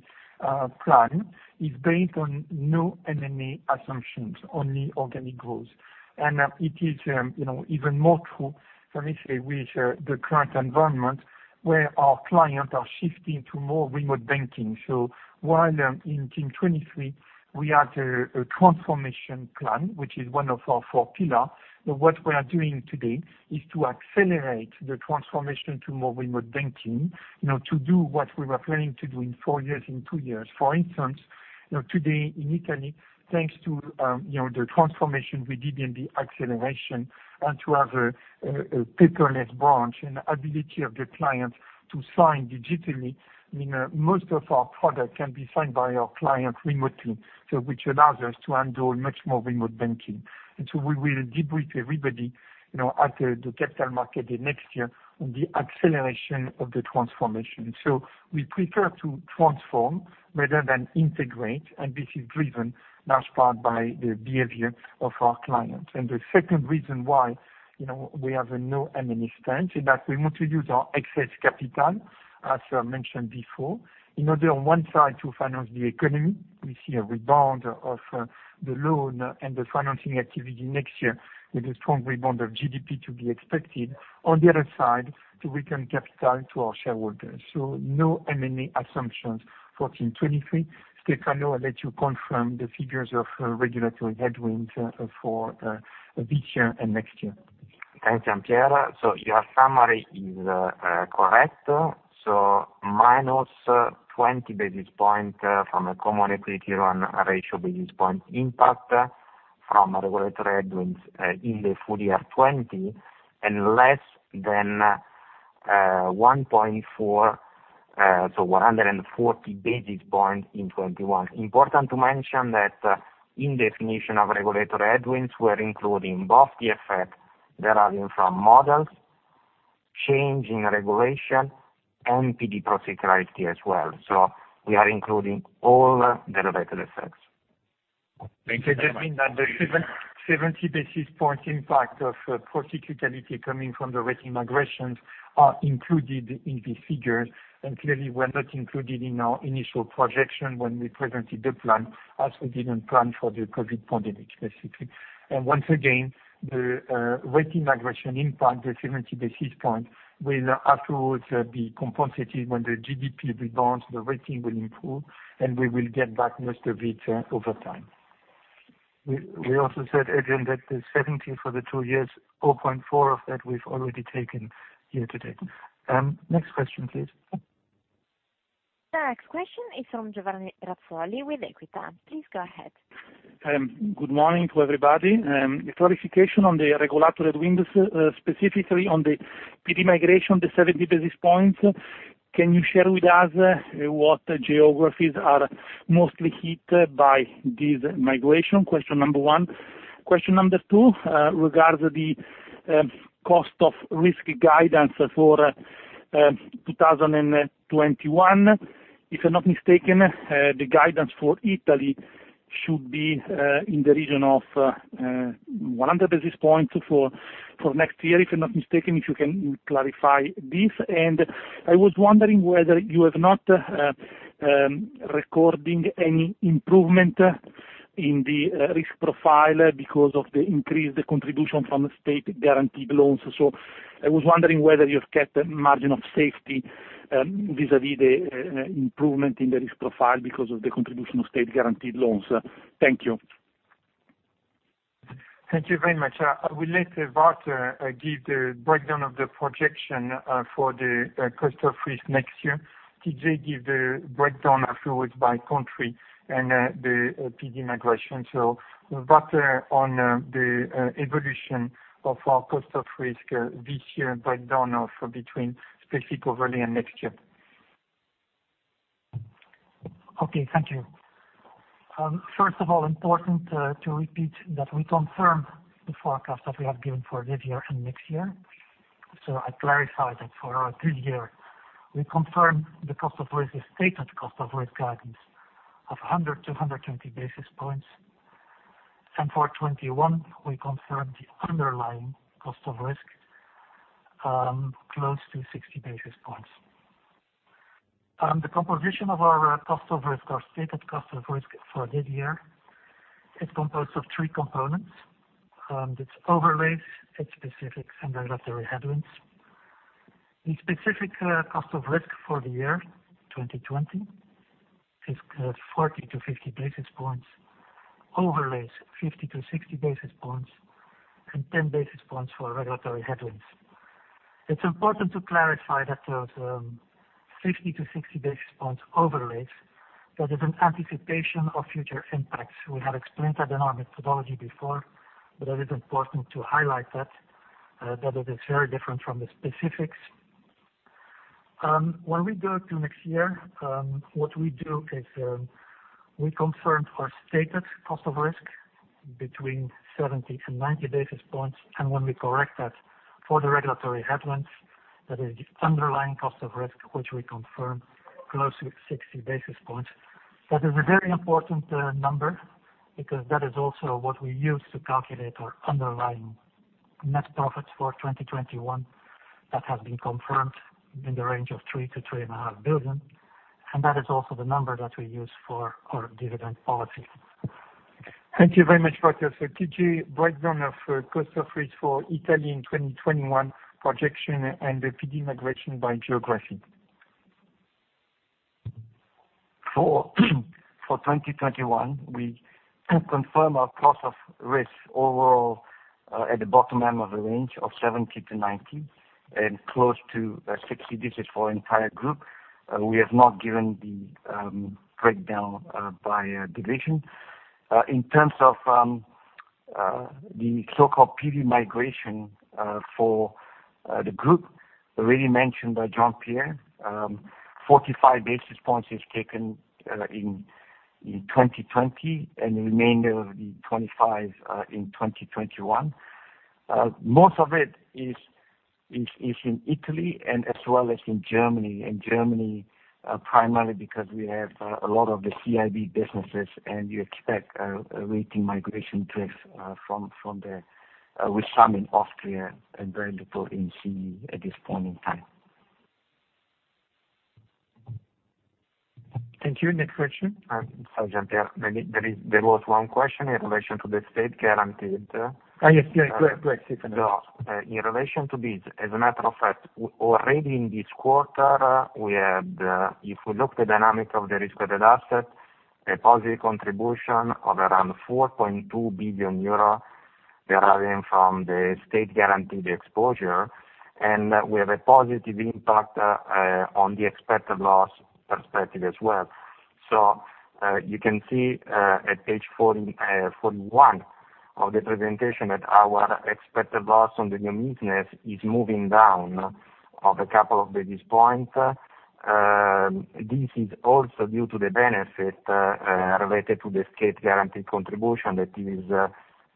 plan is based on no M&A assumptions, only organic growth. It is even more true, frankly, with the current environment, where our clients are shifting to more remote banking. While in Team 23, we had a transformation plan, which is one of our four pillars. What we are doing today is to accelerate the transformation to more remote banking, to do what we were planning to do in four years, in two years. For instance, today in Italy, thanks to the transformation we did in the acceleration and to have a paperless branch and ability of the client to sign digitally, most of our products can be signed by our client remotely. Which allows us to handle much more remote banking. We will debrief everybody at the Capital Market Day next year on the acceleration of the transformation. We prefer to transform rather than integrate, and this is driven large part by the behavior of our clients. The second reason why we have a no M&A stance is that we want to use our excess capital, as mentioned before, in order on one side to finance the economy. We see a rebound of the loan and the financing activity next year with a strong rebound of GDP to be expected. On the other side, to return capital to our shareholders. No M&A assumptions for Team 23. Stefano, I let you confirm the figures of regulatory headwinds for this year and next year. Thanks, Jean-Pierre. Your summary is correct, so minus 20 basis points from a common equity on ratio basis points impact from regulatory headwinds in the full-year 2020, and less than 1.4, so 140 basis points in 2021. Important to mention that in definition of regulatory headwinds, we're including both the effect deriving from models, change in regulation, and PD procyclicality as well. We are including all the related effects. Thank you very much. Clearly, 70 basis point impact of procyclicality coming from the rating migrations are included in these figures, and were not included in our initial projection when we presented the plan, as we didn't plan for the COVID pandemic, basically. Once again, the rating migration impact, the 70 basis point, will afterwards be compensated when the GDP rebounds, the rating will improve, and we will get back most of it over time. We also said, Adrian, that the 70 for the two years, 0.4 of that we've already taken year-to-date. Next question, please. Next question is from Giovanni Razzoli with Equita. Please go ahead. Good morning to everybody. A clarification on the regulatory headwinds, specifically on the PD migration, the 70 basis points. Can you share with us what geographies are mostly hit by this migration? Question number one. Question number two regards the cost of risk guidance for 2021, if I'm not mistaken, the guidance for Italy should be in the region of 100 basis points for next year, if I'm not mistaken, if you can clarify this. I was wondering whether you have not recording any improvement in the risk profile because of the increased contribution from state-guaranteed loans. I was wondering whether you've kept a margin of safety vis-à-vis the improvement in the risk profile because of the contribution of state-guaranteed loans. Thank you. Thank you very much. I will let Wouter give the breakdown of the projection for the cost of risk next year. TJ give the breakdown afterwards by country and the PD migration. Wouter on the evolution of our cost of risk this year breakdown between specific overlay and next year. Okay, thank you. First of all, important to repeat that we confirmed the forecast that we have given for this year and next year. I clarify that for this year, we confirm the cost of risk, the stated cost of risk guidance of 100 basis points to 120 basis points. For 2021, we confirm the underlying cost of risk close to 60 basis points. The composition of our cost of risk, our stated cost of risk for this year, it's composed of three components. That's overlays, it's specifics, and regulatory headwinds. The specific cost of risk for the year 2020 is 40 basis points to 50 basis points, overlays 50basis points to 60 basis points, and 10 basis points for regulatory headwinds. It's important to clarify that those 50 basis points to 60 basis points overlays, that is an anticipation of future impacts. We have explained that in our methodology before, but it is important to highlight that it is very different from the specifics. When we go to next year, what we do is, we confirmed our stated cost of risk between 70 basis points and 90 basis points. When we correct that for the regulatory headwinds. That is the underlying cost of risk, which we confirm close to 60 basis points. That is a very important number because that is also what we use to calculate our underlying net profit for 2021, that has been confirmed in the range of 3 billion to 3.5 billion, and that is also the number that we use for our dividend policy. Thank you very much, Wouter. Could you breakdown of cost of risk for Italy in 2021 projection and the PD migration by geography? For 2021, we confirm our cost of risk overall at the bottom end of the range of 70 basis points to 90 basis points and close to 60 basis points. This is for entire group. We have not given the breakdown by division. In terms of the so-called PD migration for the group, already mentioned by Jean Pierre, 45 basis points is taken in 2020, and the remainder of the 25 basis points in 2021. Most of it is in Italy and as well as in Germany. In Germany, primarily because we have a lot of the CIB businesses, and we expect a rating migration drift from there, with some in Austria and very little in CE at this point in time. Thank you. Next question. Sorry, Jean Pierre. There was one question in relation to the state guaranteed. Yes, go ahead, Stefano. In relation to this, as a matter of fact, already in this quarter, if we look the dynamic of the risk-weighted asset, a positive contribution of around 4.2 billion euro deriving from the state-guaranteed exposure. We have a positive impact on the expected loss perspective as well. You can see at page 41 of the presentation that our expected loss on the new business is moving down of a couple of basis points. This is also due to the benefit related to the state-guarantee contribution, that is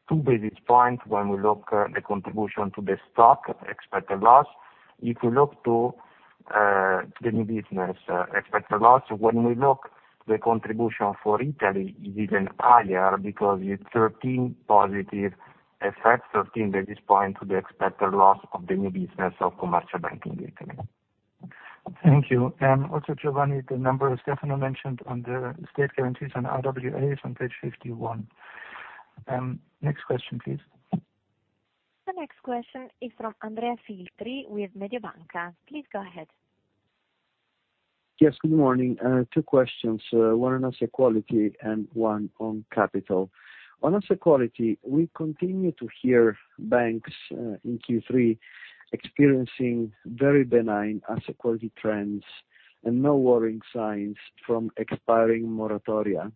two basis points when we look the contribution to the stock expected loss. If you look to the new business expected loss, when we look the contribution for Italy, it is even higher because it is 13 positive effect, 13 basis points to the expected loss of the new business of commercial banking in Italy. Thank you. Also, Giovanni, the number Stefano mentioned on the state guarantees on RWAs on page 51. Next question, please. The next question is from Andrea Filtri with Mediobanca. Please go ahead. Yes, good morning, two questions. One on asset quality and one on capital. On asset quality, we continue to hear banks in Q3 experiencing very benign asset quality trends and no worrying signs from expiring moratoria,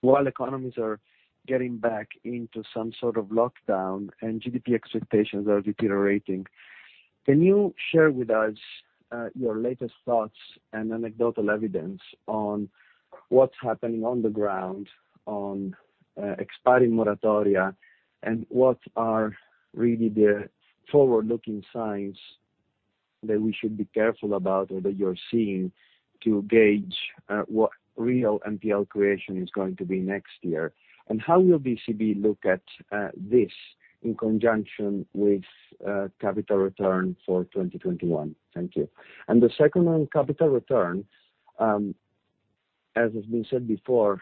while economies are getting back into some sort of lockdown and GDP expectations are deteriorating. Can you share with us your latest thoughts and anecdotal evidence on what's happening on the ground on expiring moratoria, and what are really the forward-looking signs that we should be careful about or that you're seeing to gauge what real NPL creation is going to be next year? How will ECB look at this in conjunction with capital return for 2021? Thank you. The second one, capital return, as has been said before,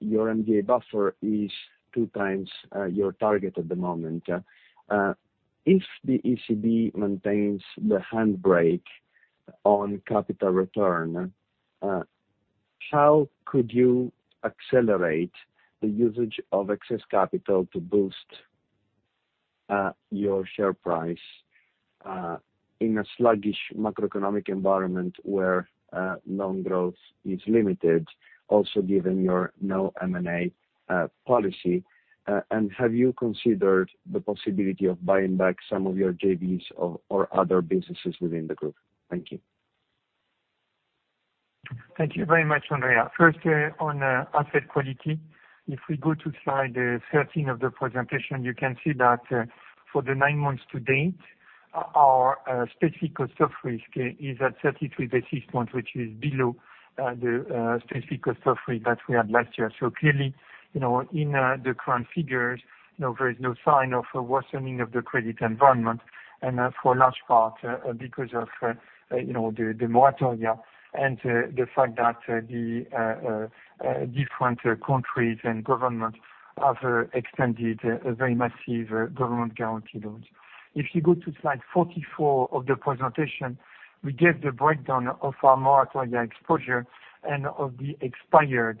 your MDA buffer is 2x your target at the moment. If the ECB maintains the handbrake on capital return, how could you accelerate the usage of excess capital to boost your share price in a sluggish macroeconomic environment where loan growth is limited, also given your no M&A policy? Have you considered the possibility of buying back some of your JVs or other businesses within the group? Thank you. Thank you very much, Andrea. First, on asset quality, if we go to slide 13 of the presentation, you can see that for the nine months to date, our specific cost of risk is at 33 basis points, which is below the specific cost of risk that we had last year. Clearly, in the current figures, there is no sign of a worsening of the credit environment, and for a large part, because of the moratoria and the fact that the different countries and governments have extended very massive government guarantee loans. If you go to slide 44 of the presentation, we gave the breakdown of our moratoria exposure and of the expired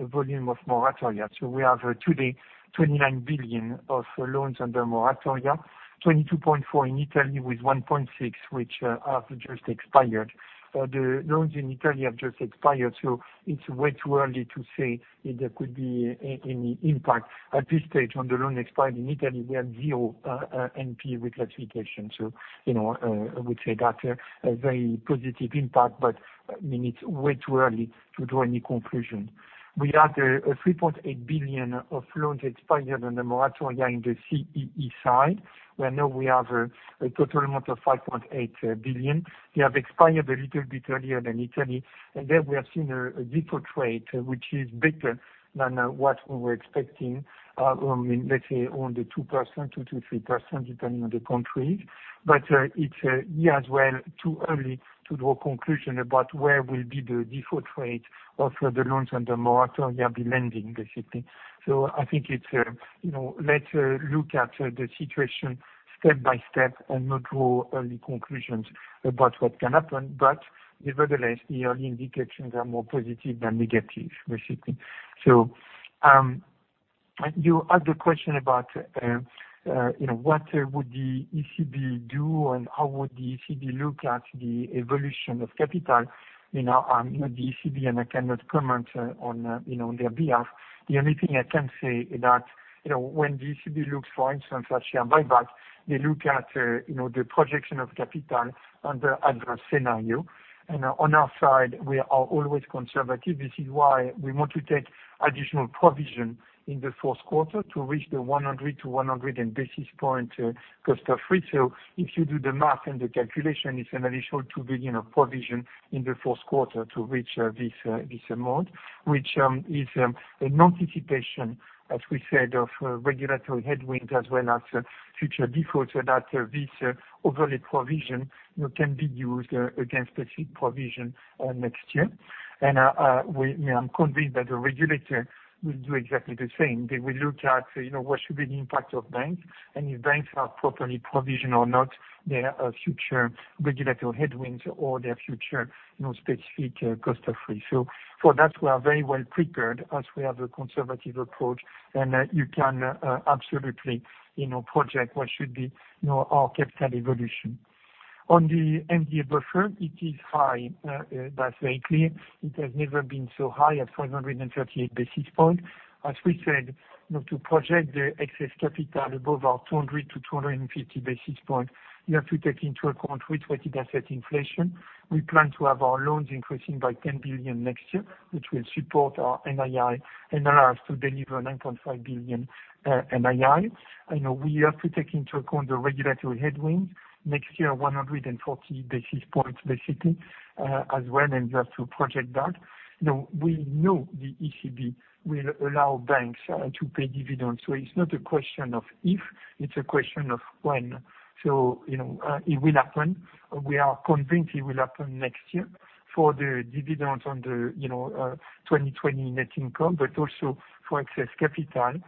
volume of moratoria. We have today 29 billion of loans under moratoria, 22.4 billion in Italy with 1.6 billion, which have just expired. The loans in Italy have just expired, so it is way too early to say if there could be any impact. At this stage on the loan expired in Italy, we have zero NP reclassification. I would say that is a very positive impact, but it is way too early to draw any conclusion. We had 3.8 billion of loans expired under moratoria in the CEE side, where now we have a total amount of 5.8 billion. They have expired a little bit earlier than Italy, and there we have seen a default rate, which is bigger than what we were expecting of, let's say, only 2%, 2% to 3%, depending on the country. It is, as well, too early to draw conclusion about where will be the default rate of the loans under moratoria lending, basically. I think let's look at the situation step by step and not draw early conclusions about what can happen, but nevertheless, the early indications are more positive than negative, basically. You asked the question about what would the ECB do and how would the ECB look at the evolution of capital, you know. I'm at the ECB, and I cannot comment on their behalf. The only thing I can say is that, when the ECB looks, for instance, at share buyback, they look at the projection of capital under adverse scenario. On our side, we are always conservative. This is why we want to take additional provision in the fourth quarter to reach the 100 basis point to 120 basis point cost of ratio. If you do the math and the calculation, it is an additional 2 billion of provision in the fourth quarter to reach this amount, which is an anticipation, as we said, of regulatory headwinds as well as future defaults, so that this overlay provision, you know, it can be used against specific provision next year. I'm convinced that the regulator will do exactly the same. They will look at what should be the impact of banks, and if banks have properly provisioned or not their future regulatory headwinds or their future specific cost of risk. For that, we are very well prepared as we have a conservative approach, and you can absolutely, you know, project what should be our capital evolution. On the MDA buffer, it is high. That's very clear. It has never been so high at 438 basis points. As we said, to project the excess capital above our 200 basis points to 250 basis points, you have to take into account risk-weighted asset inflation. We plan to have our loans increasing by 10 billion next year, which will support our NII and allow us to deliver 9.5 billion NII. I know we have to take into account the regulatory headwind. Next year, 140 basis points, basically, as well, and you have to project that. You know, we know the ECB will allow banks to pay dividends. It's not a question of if, it's a question of when, so it will happen. We are convinced it will happen next year for the dividends on the 2020 net income, also for excess capital.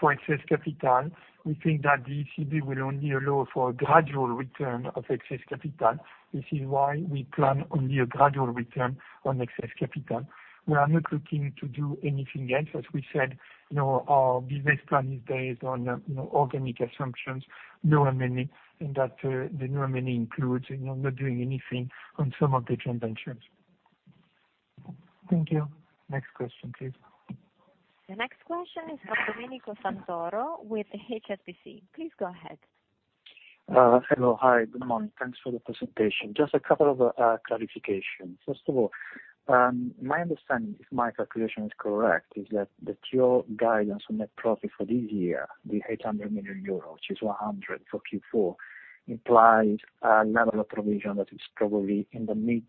For excess capital, we think that the ECB will only allow for a gradual return of excess capital. This is why we plan only a gradual return on excess capital. We are not looking to do anything else. As we said, our business plan is based on organic assumptions, and that the no M&A amenity includes not doing anything on some of the transactions. Thank you. Next question, please. The next question is from Domenico Santoro with HSBC. Please go ahead. Hello. Hi, good morning. Thanks for the presentation, just a couple of clarifications. First of all, my understanding, if my calculation is correct, is that your guidance on net profit for this year, the 800 million euros, which is 100 million for Q4, implies a level of provision that is probably in the mid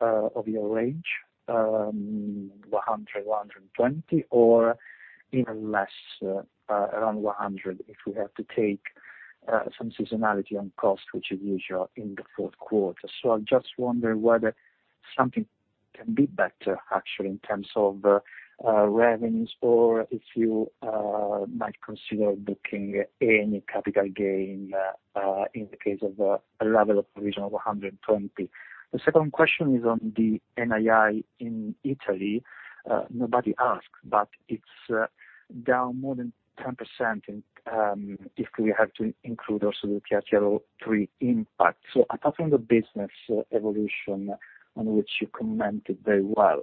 of your range, 100 million, 120 million or even less, around 100 million, if we have to take some seasonality on cost, which is usual in the fourth quarter. I just wonder whether something can be better, actually, in terms of revenues, or if you might consider booking any capital gain in the case of a level of provision of 120 million. The second question is on the NII in Italy. Nobody asked, but it's down more than 10% if we have to include also the PCL3 impact. Apart from the business evolution, on which you commented very well,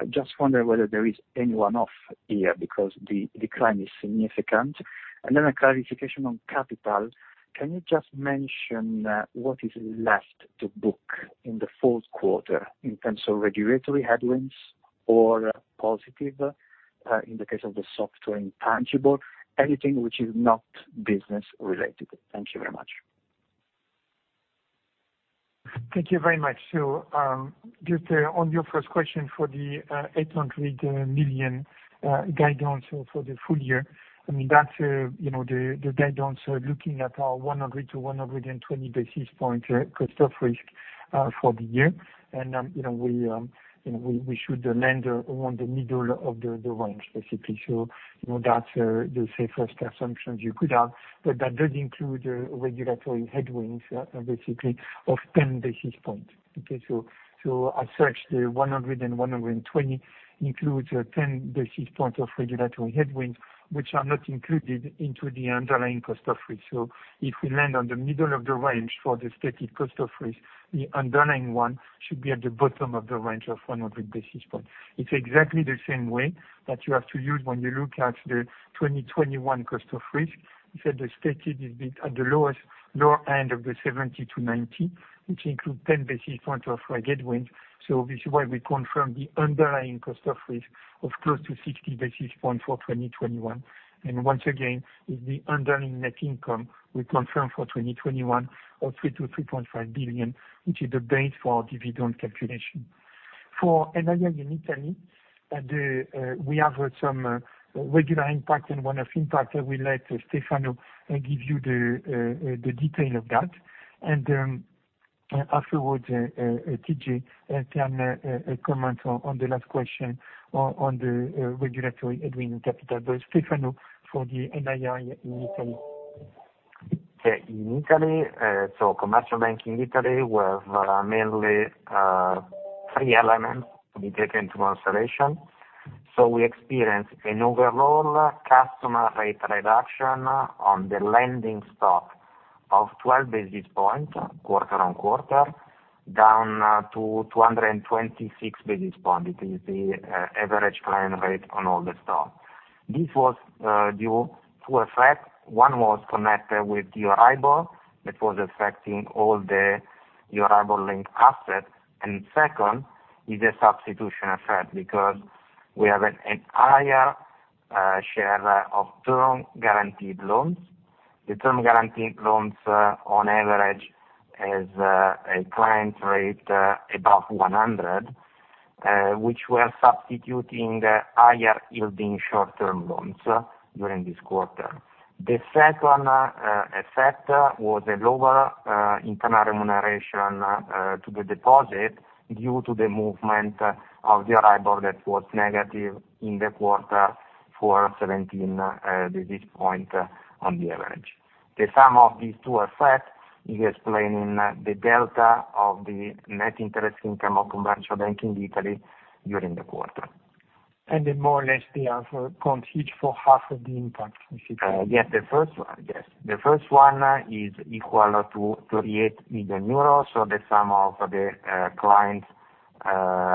I just wonder whether there is any one-off here, because the decline is significant. A clarification on capital. Can you just mention what is left to book in the fourth quarter in terms of regulatory headwinds or positive, in the case of the software intangible, anything which is not business related? Thank you very much. Thank you very much. Just on your first question for the 800 million guidance for the full year, that's the guidance looking at our 100 basis point to 120 basis point cost of risk for the year, and we should land around the middle of the range, basically. That's the safest assumptions you could have, but that does include regulatory headwinds, basically, of 10 basis points. As such, the 100 basis points to 120 basis points includes 10 basis points of regulatory headwinds, which are not included into the underlying cost of risk. If we land on the middle of the range for the stated cost of risk, the underlying one should be at the bottom of the range of 100 basis points. It's exactly the same way that you have to use when you look at the 2021 cost of risk. You said the stated is at the lower end of the 70 basis points to 90 basis points, which includes 10 basis points of headwinds. This is why we confirm the underlying cost of risk of close to 60 basis points for 2021. Once again, it's the underlying net income we confirm for 2021 of 3 billion to 3.5 billion, which is the base for our dividend calculation. For NII in Italy, we have some regular impact and one-off impact that we let Stefano give you the detail of that. Afterwards, TJ can comment on the last question on the regulatory headwinds capital. Stefano, for the NII in Italy. In Italy, commercial banking in Italy, we have mainly three elements to be taken into consideration. We experienced an overall customer rate reduction on the lending stock of 12 basis points quarter-on-quarter, down to 226 basis points. It is the average client rate on all the stock. This was due to effect. One was connected with Euribor, that was affecting all the Euribor-linked asset. Second is a substitution effect, because we have a higher share of term guaranteed loans. The term guaranteed loans on average has a client rate above 100 million, which were substituting the higher yielding short-term loans during this quarter. The second effect was a lower internal remuneration to the deposit due to the movement of the Euribor that was negative in the quarter for 17 basis point on the average. The sum of these two effects is explaining the delta of the net interest income of commercial banking in Italy during the quarter. More or less they account for half of the impact, basically. Yes, the first one is equal to 38 million euros, so the sum of the client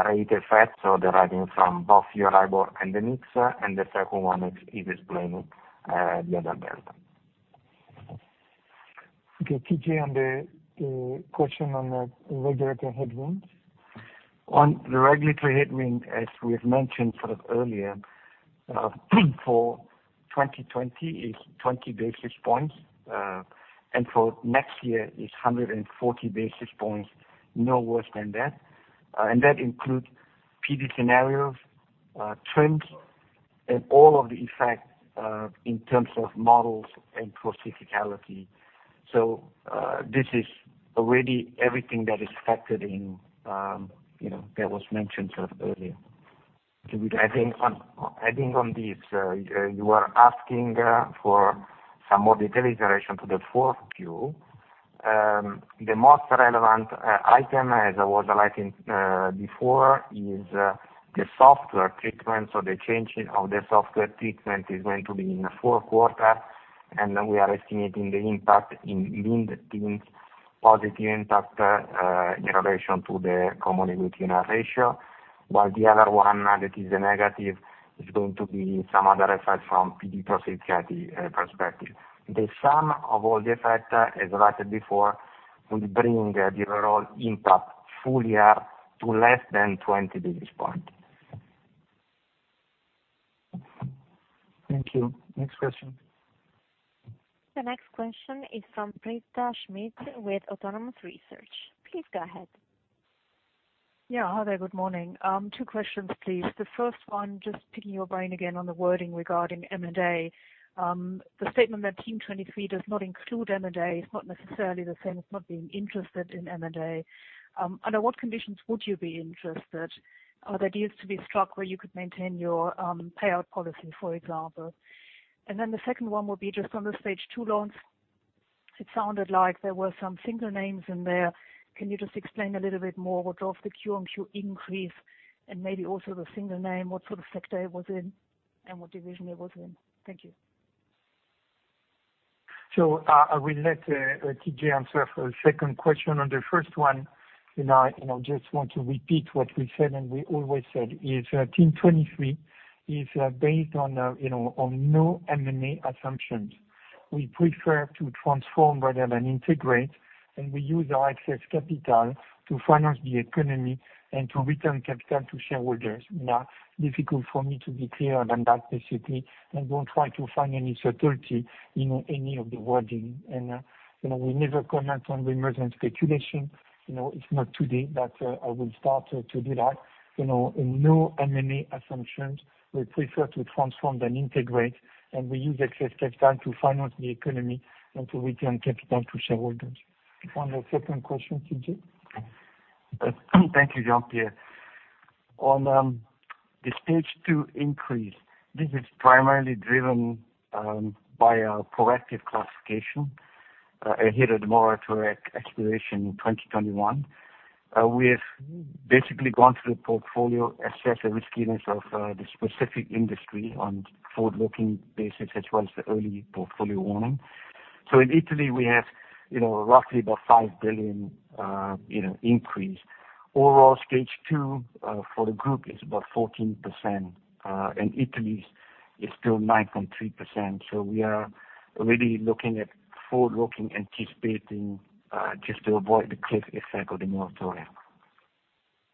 rate effect, so deriving from both Euribor and the mix, and the second one is explaining the other delta. Okay, TJ, on the question on the regulatory headwinds. On the regulatory headwind, as we've mentioned sort of earlier, for 2020 is 20 basis points. For next year is 140 basis points, no worse than that. That includes PD scenarios, trends, and all of the effects in terms of models and proportionality. This is already everything that is factored in, that was mentioned sort of earlier. Adding on this, you are asking for some more detail in relation to the fourth Q. The most relevant item, as I was highlighting before, is the software treatment or the changing of the software treatment is going to be in the fourth quarter. We are estimating the impact in being positive impact in relation to the common equity ratio, while the other one that is a negative is going to be some other effect from PD perspective. The sum of all the effect, as I said before, will bring the overall impact full year to less than 20 basis points. Thank you. Next question. The next question is from Britta Schmidt with Autonomous Research. Please go ahead. Hi there. Good morning. Two questions, please. The first one, just picking your brain again on the wording regarding M&A. The statement that Team 23 does not include M&A is not necessarily the same as not being interested in M&A. Under what conditions would you be interested? Are there deals to be struck where you could maintain your payout policy, for example? The second one will be just on the stage 2 loans. It sounded like there were some single names in there. Can you just explain a little bit more what drove the Q-on-Q increase, and maybe also the single name, what sort of sector it was in, and what division it was in? Thank you. I will let TJ answer for the second question. On the first one, you know, I just want to repeat what we said, and we always said, is Team 23 is based on no M&A assumptions. We prefer to transform rather than integrate, and we use our excess capital to finance the economy and to return capital to shareholders. Difficult for me to be clearer than that, basically, and don't try to find any subtlety in any of the wording. We never comment on rumors and speculation. It's not today that I will start to do that. No M&A assumptions, we prefer to transform than integrate, and we use excess capital to finance the economy and to return capital to shareholders. On the second question, TJ? Thank you, Jean-Pierre. On the stage 2 increase, this is primarily driven by our proactive classification ahead of the moratorium expiration in 2021. We have basically gone through the portfolio, assessed the riskiness of the specific industry on a forward-looking basis, as well as the early portfolio warning. In Italy, we have roughly about 5 billion increase. Overall stage 2 for the group is about 14%, Italy is still 9.3%. We are already looking at forward-looking, anticipating, just to avoid the cliff effect of the moratorium.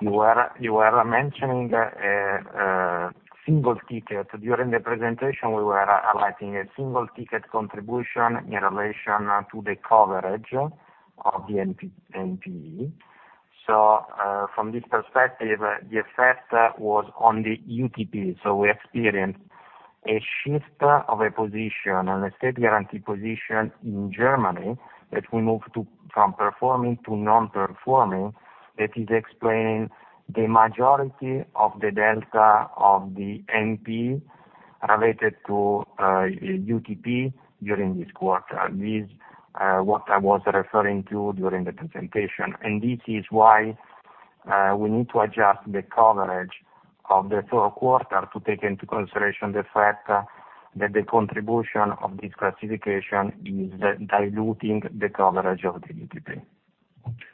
You were mentioning a single ticket. During the presentation, we were highlighting a single ticket contribution in relation to the coverage of the NPE. From this perspective, the effect was on the UTP. We experienced a shift of a position on a state guarantee position in Germany that we moved from performing to non-performing, that is explaining the majority of the delta of the NP related to UTP during this quarter. This is what I was referring to during the presentation. This is why we need to adjust the coverage of the third quarter to take into consideration the fact that the contribution of this classification is diluting the coverage of the UTP.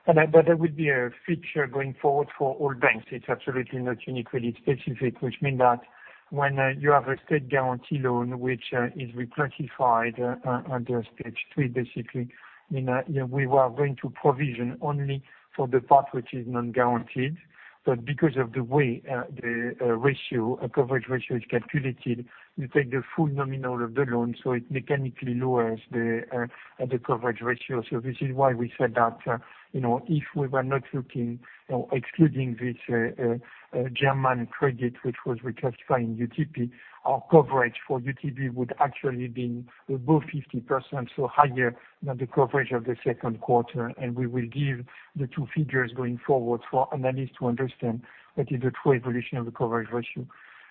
That would be a feature going forward for all banks. It's absolutely not UniCredit specific, which means that when you have a state guarantee loan, which is reclassified under stage 3, basically, we were going to provision only for the part which is non-guaranteed. Because of the way the coverage ratio is calculated, you take the full nominal of the loan, so it mechanically lowers the coverage ratio. This is why we said that if we were not looking or excluding this German credit, which was reclassifying UTP, our coverage for UTP would actually be above 50%, so higher than the coverage of the second quarter. We will give the two figures going forward for analysts to understand what is the true evolution of the coverage ratio,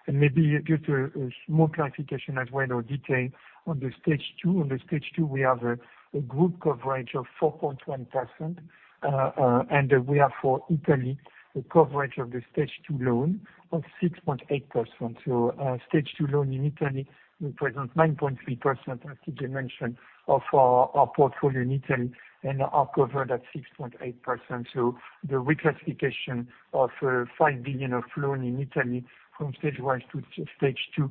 and maybe just a small clarification as well, or detail on the stage 2. On the stage 2, we have a group coverage of 4.1%. We have for Italy, a coverage of the stage 2 loan of 6.8%. Stage 2 loan in Italy represents 9.3%, as TJ mentioned, of our portfolio in Italy and are covered at 6.8%. The reclassification of 5 billion of loan in Italy from stage 1 to stage 2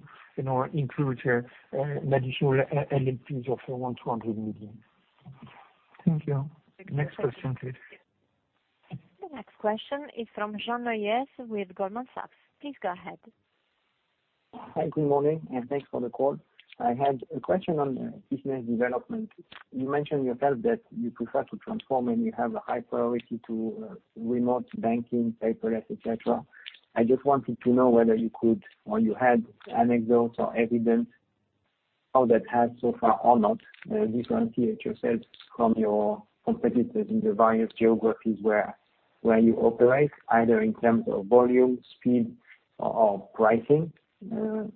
includes additional NPEs of 100 million. Thank you. Next question, please. The next question is from Jean-François Neuez with Goldman Sachs. Please go ahead. Hi, good morning, and thanks for the call. I had a question on business development. You mentioned yourself that you prefer to transform, and you have a high priority to remote banking, paperless, et cetera. I just wanted to know whether you could or you had anecdotes or evidence how that has so far or not differentiate yourselves from your competitors in the various geographies where you operate, either in terms of volume, speed or pricing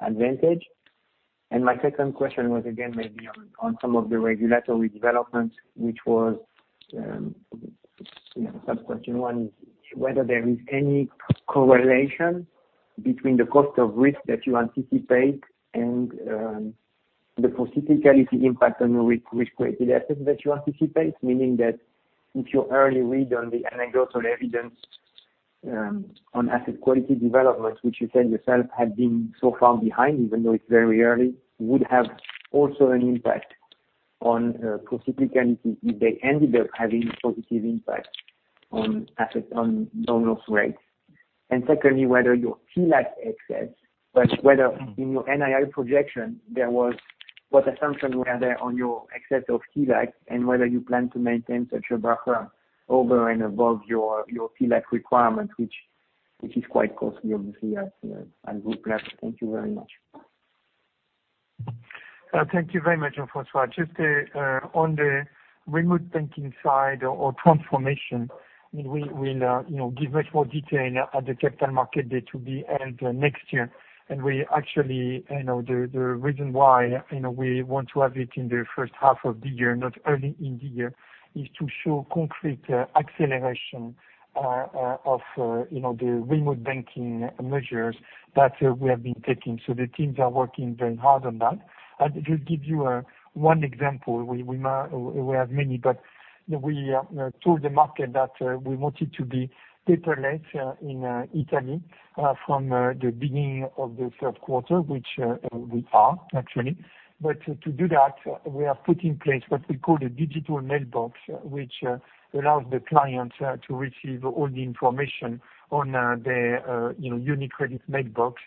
advantage. My second question was again, maybe on some of the regulatory developments, which was, sub-question one, whether there is any correlation between the cost of risk that you anticipate and the procyclicality impact on your risk-weighted assets that you anticipate, meaning that if your early read on the anecdotal evidence on asset quality development, which you said yourself had been so far behind, even though it's very early, would have also an impact on procyclicality if they ended up having a positive impact on normal rates. Secondly, whether your TLAC excess, but whether in your NII projection, what assumptions were there on your excess of TLAC, and whether you plan to maintain such a buffer over and above your TLAC requirement, which is quite costly, obviously, as Group does. Thank you very much. Thank you very much, Jean-François. Just on the remote banking side or transformation, we'll give much more detail at the Capital Market Day to be held next year. The reason why we want to have it in the first half of the year, not early in the year, is to show concrete acceleration of the remote banking measures that we have been taking. The teams are working very hard on that. I'll just give you one example. We have many, but we told the market that we wanted to be paperless in Italy from the beginning of the third quarter, which we are actually. But to do that, we have put in place what we call a digital mailbox, which allows the client to receive all the information on their UniCredit mailbox.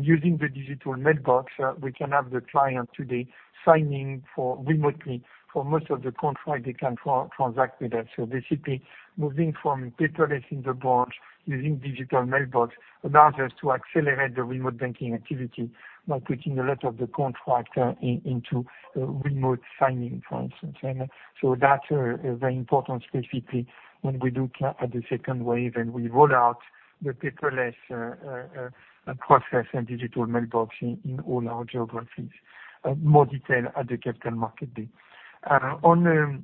Using the digital mailbox, we can have the client today signing remotely for most of the contract, they can transact with us. Basically, moving from paperless in the branch using digital mailbox allows us to accelerate the remote banking activity by putting a lot of the contract into remote signing, for instance. That's very important, specifically when we look at the second wave, and we roll out the paperless process and digital mailbox in all our geographies. More detail at the Capital Market Day. On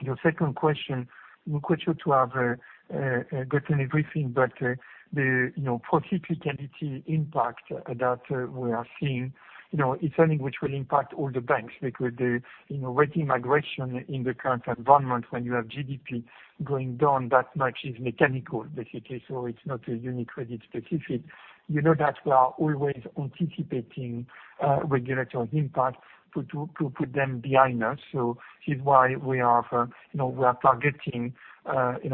your second question, we encourage you to have gotten everything but the procyclicality impact that we are seeing. It's something which will impact all the banks, because the rating migration in the current environment, when you have GDP going down that much is mechanical, basically. It's not a UniCredit specific. You know that we are always anticipating regulatory impact to put them behind us. This is why we are targeting an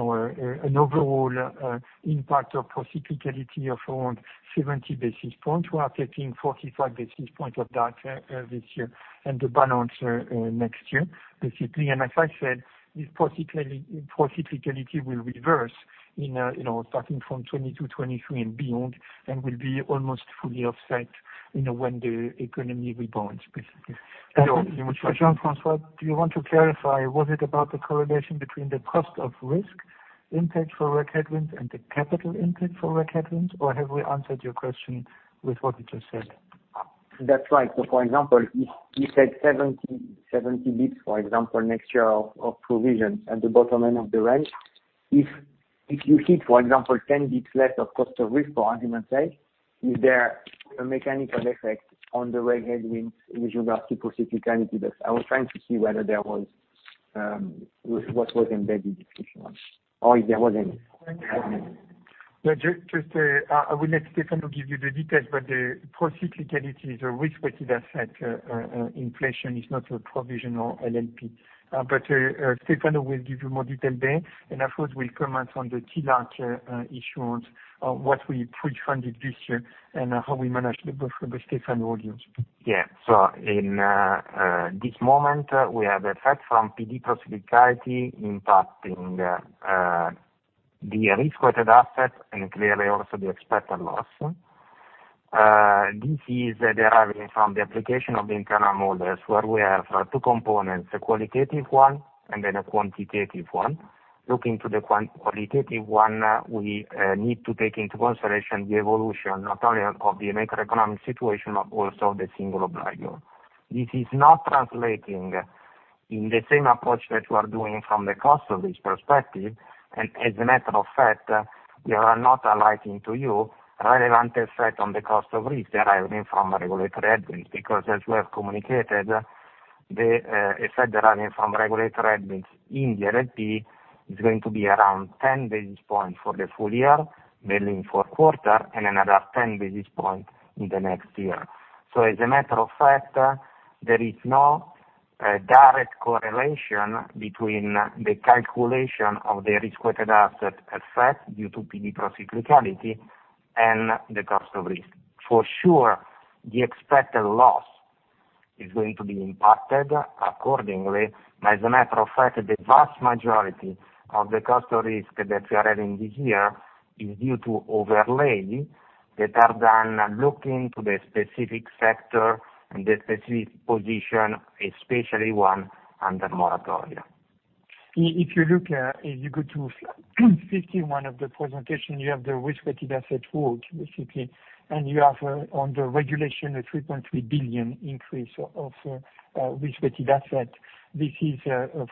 overall impact of procyclicality of around 70 basis points. We are taking 45 basis points of that this year and the balance next year, basically. As I said, this procyclicality will reverse starting from 2022, 2023 and beyond, and will be almost fully offset when the economy rebounds, basically. Jean-François, do you want to clarify? Was it about the correlation between the cost of risk impact for reg headwinds and the capital impact for reg headwinds or have we answered your question with what we just said? That's right. For example, if you said 70 basis points, for example, next year of provision at the bottom end of the range. If you hit, for example, 10 basis points less of cost of risk for argument's sake, is there a mechanical effect on the reg headwinds with regards to procyclicality? I was trying to see what was embedded, if you want, or if there was any. I will let Stefano give you the details, but the procyclicality is a risk-weighted asset inflation is not a provisional LLP. Stefano will give you more detail there, and afterwards we'll comment on the TLAC issuance of what we pre-funded this year and how we manage the buffer. Stefano, all yours. In this moment, we have effect from PD procyclicality impacting the risk-weighted asset and clearly also the expected loss. This is deriving from the application of the internal models where we have two components, a qualitative one, and then a quantitative one. Looking to the qualitative one, we need to take into consideration the evolution not only of the macroeconomic situation, but also of the single obligor. This is not translating in the same approach that we are doing from the cost of risk perspective. As a matter of fact, we are not highlighting to you relevant effect on the cost of risk deriving from regulatory headwinds, because as we have communicated, the effect deriving from regulatory headwinds in the LLP is going to be around 10 basis points for the full year, mainly in fourth quarter and another 10 basis points in the next year. As a matter of fact, there is no direct correlation between the calculation of the risk-weighted asset effect due to PD procyclicality and the cost of risk. For sure, the expected loss is going to be impacted accordingly. As a matter of fact, the vast majority of the cost of risk that we are having this year is due to overlay that are done looking to the specific sector and the specific position, especially one under moratoria. If you go to 51 of the presentation, you have the risk-weighted asset world, basically. You have on the regulation, a 3.3 billion increase of risk-weighted asset. This is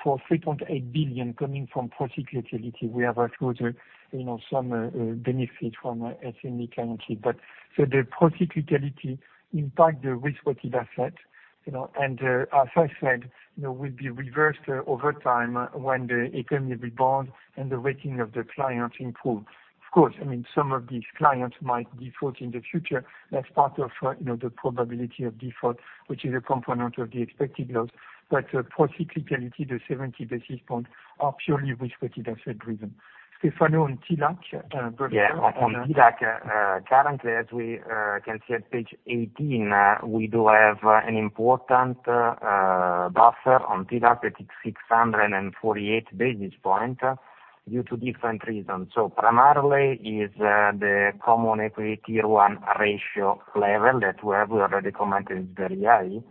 for 3.8 billion coming from procyclicality. We have also some benefit from SME guarantee. The procyclicality impact the risk-weighted asset, and as I said, will be reversed over time when the economy rebounds and the rating of the client improves. Of course, some of these clients might default in the future. That's part of the probability of default, which is a component of the expected loss. Procyclicality, the 70 basis points are purely risk-weighted asset-driven. Stefano, on TLAC buffer. On TLAC, currently, as we can see at page 18, we do have an important buffer on TLAC that is 648 basis points due to different reasons. Primarily is the Common Equity Tier 1 ratio level that we have already commented is very high.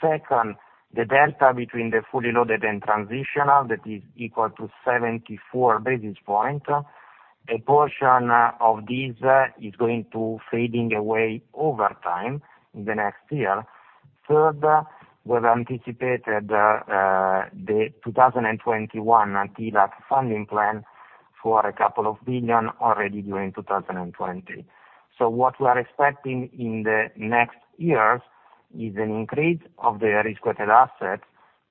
Second, the delta between the fully loaded and transitional, that is equal to 74 basis points. A portion of this is going to fading away over time in the next year. Third, we've anticipated the 2021 TLAC funding plan for a couple of billion already during 2020. What we are expecting in the next years is an increase of the risk-weighted asset,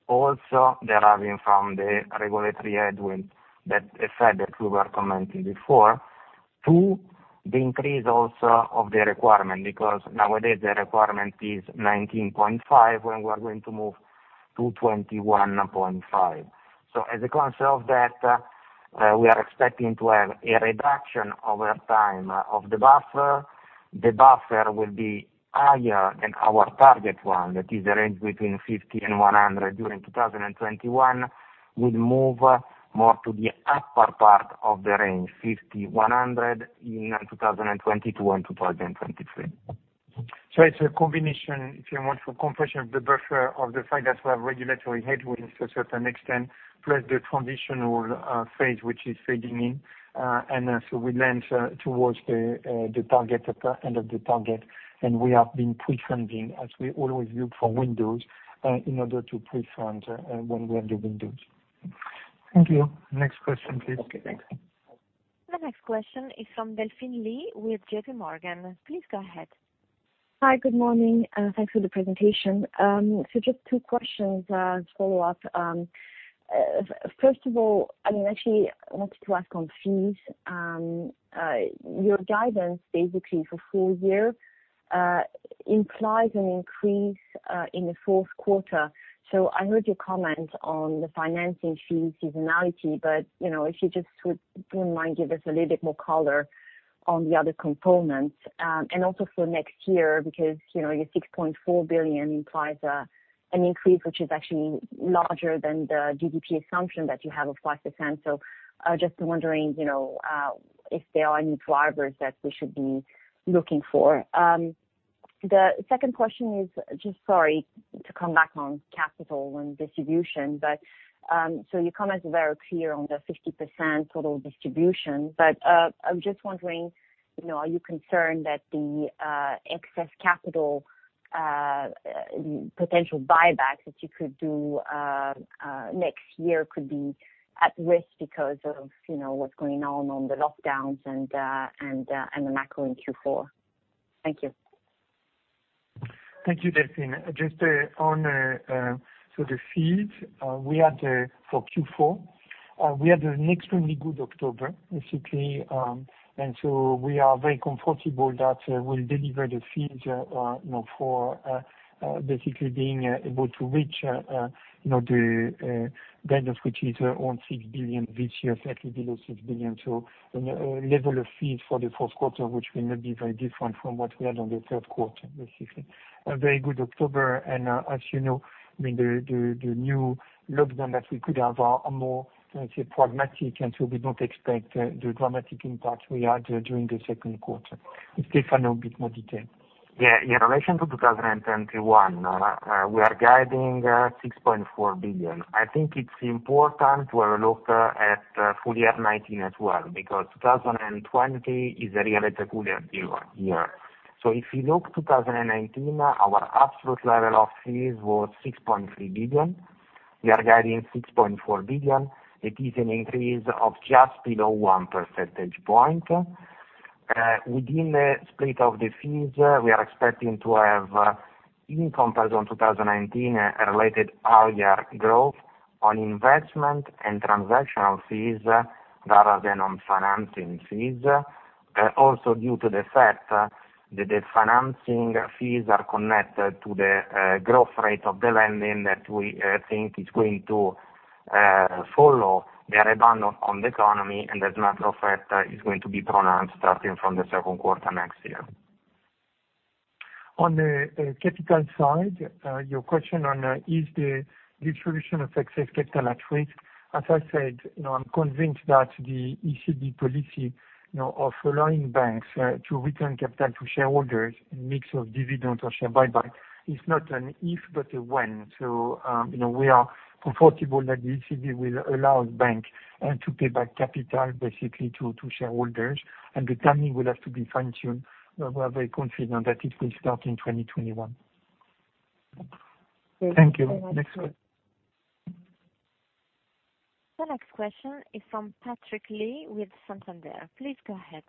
also deriving from the regulatory headwind, that effect that we were commenting before. Two, the increase also of the requirement, because nowadays the requirement is 19.5, and we are going to move to 21.5. As a consequence of that, we are expecting to have a reduction over time of the buffer. The buffer will be higher than our target one, that is the range between 50 and 100 during 2021, will move more to the upper part of the range, 50, 100 in 2022 and 2023. It's a combination, if you want, for compression of the buffer, of the fact that we have regulatory headwinds to a certain extent, plus the transitional phase which is fading in. We lens towards the upper end of the target, and we have been pre-funding, as we always look for windows, in order to pre-fund when we have the windows. Thank you. Next question, please. Okay, thanks. The next question is from Delphine Lee with J.P. Morgan. Please go ahead. Hi. Good morning. Thanks for the presentation, so just two questions as follow-up. First of all, actually, I wanted to ask on fees. Your guidance, basically, for full year, implies an increase in the fourth quarter. I heard your comment on the financing fees seasonality, but, if you just would, do you mind give us a little bit more color on the other components, and also for next year, because your 6.4 billion implies an increase which is actually larger than the GDP assumption that you have of 5%. Just wondering, if there are any drivers that we should be looking for. The second question is, just sorry to come back on capital and distribution. Your comments are very clear on the 50% total distribution, but I'm just wondering, are you concerned that the excess capital potential buybacks that you could do next year could be at risk because of what's going on on the lockdowns and the macro in Q4? Thank you. Thank you, Delphine, just on the fees for Q4, we had an extremely good October, basically. We are very comfortable that we'll deliver the fees for basically being able to reach the guidance, which is on 6 billion, slightly below 6 billion. A level of fees for the fourth quarter, which will not be very different from what we had on the third quarter, basically. A very good October, as you know, the new lockdown that we could have are more, let's say, pragmatic, we don't expect the dramatic impact we had during the second quarter. If Stefano has a bit more detail. In relation to 2021, we are guiding 6.4 billion. I think it's important to have a look at full-year 2019 as well, because 2020 is a really peculiar year. If you look 2019, our absolute level of fees was 6.3 billion. We are guiding 6.4 billion. It is an increase of just below one percentage point. Within the split of the fees, we are expecting to have, in comparison to 2019, a related higher growth on investment and transactional fees rather than on financing fees, also due to the fact that the financing fees are connected to the growth rate of the lending that we think is going to follow the rebound on the economy, and as a matter of fact, is going to be pronounced starting from the second quarter next year. On the capital side, your question on is the distribution of excess capital at risk, as I said, I'm convinced that the ECB policy of allowing banks to return capital to shareholders, a mix of dividends or share buyback, is not an if, but a when. We are comfortable that the ECB will allow banks to pay back capital, basically, to shareholders, and the timing will have to be fine-tuned. We're very confident that it will start in 2021. Thank you. The next question is from Patrick Lee with Santander. Please go ahead.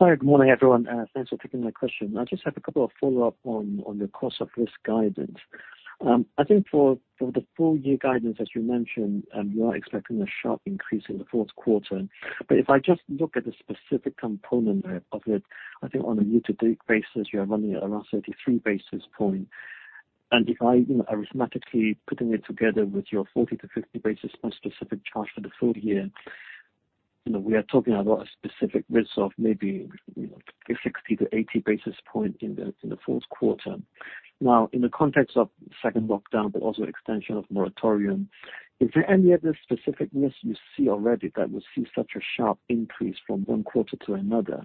Hi. Good morning, everyone. Thanks for taking my question. I just have a couple of follow-up on your cost of risk guidance. I think for the full-year guidance, as you mentioned, you are expecting a sharp increase in the fourth quarter. If I just look at the specific component of it, I think on a year-to-date basis, you are running at around 33 basis points. If I, arithmetically, putting it together with your 40 basis points to 50 basis points specific charge for the full year, we are talking about a specific risk of maybe 60 basis points to 80 basis points in the fourth quarter. In the context of second lockdown, but also extension of moratorium, is there any other specific risk you see already that will see such a sharp increase from one quarter to another?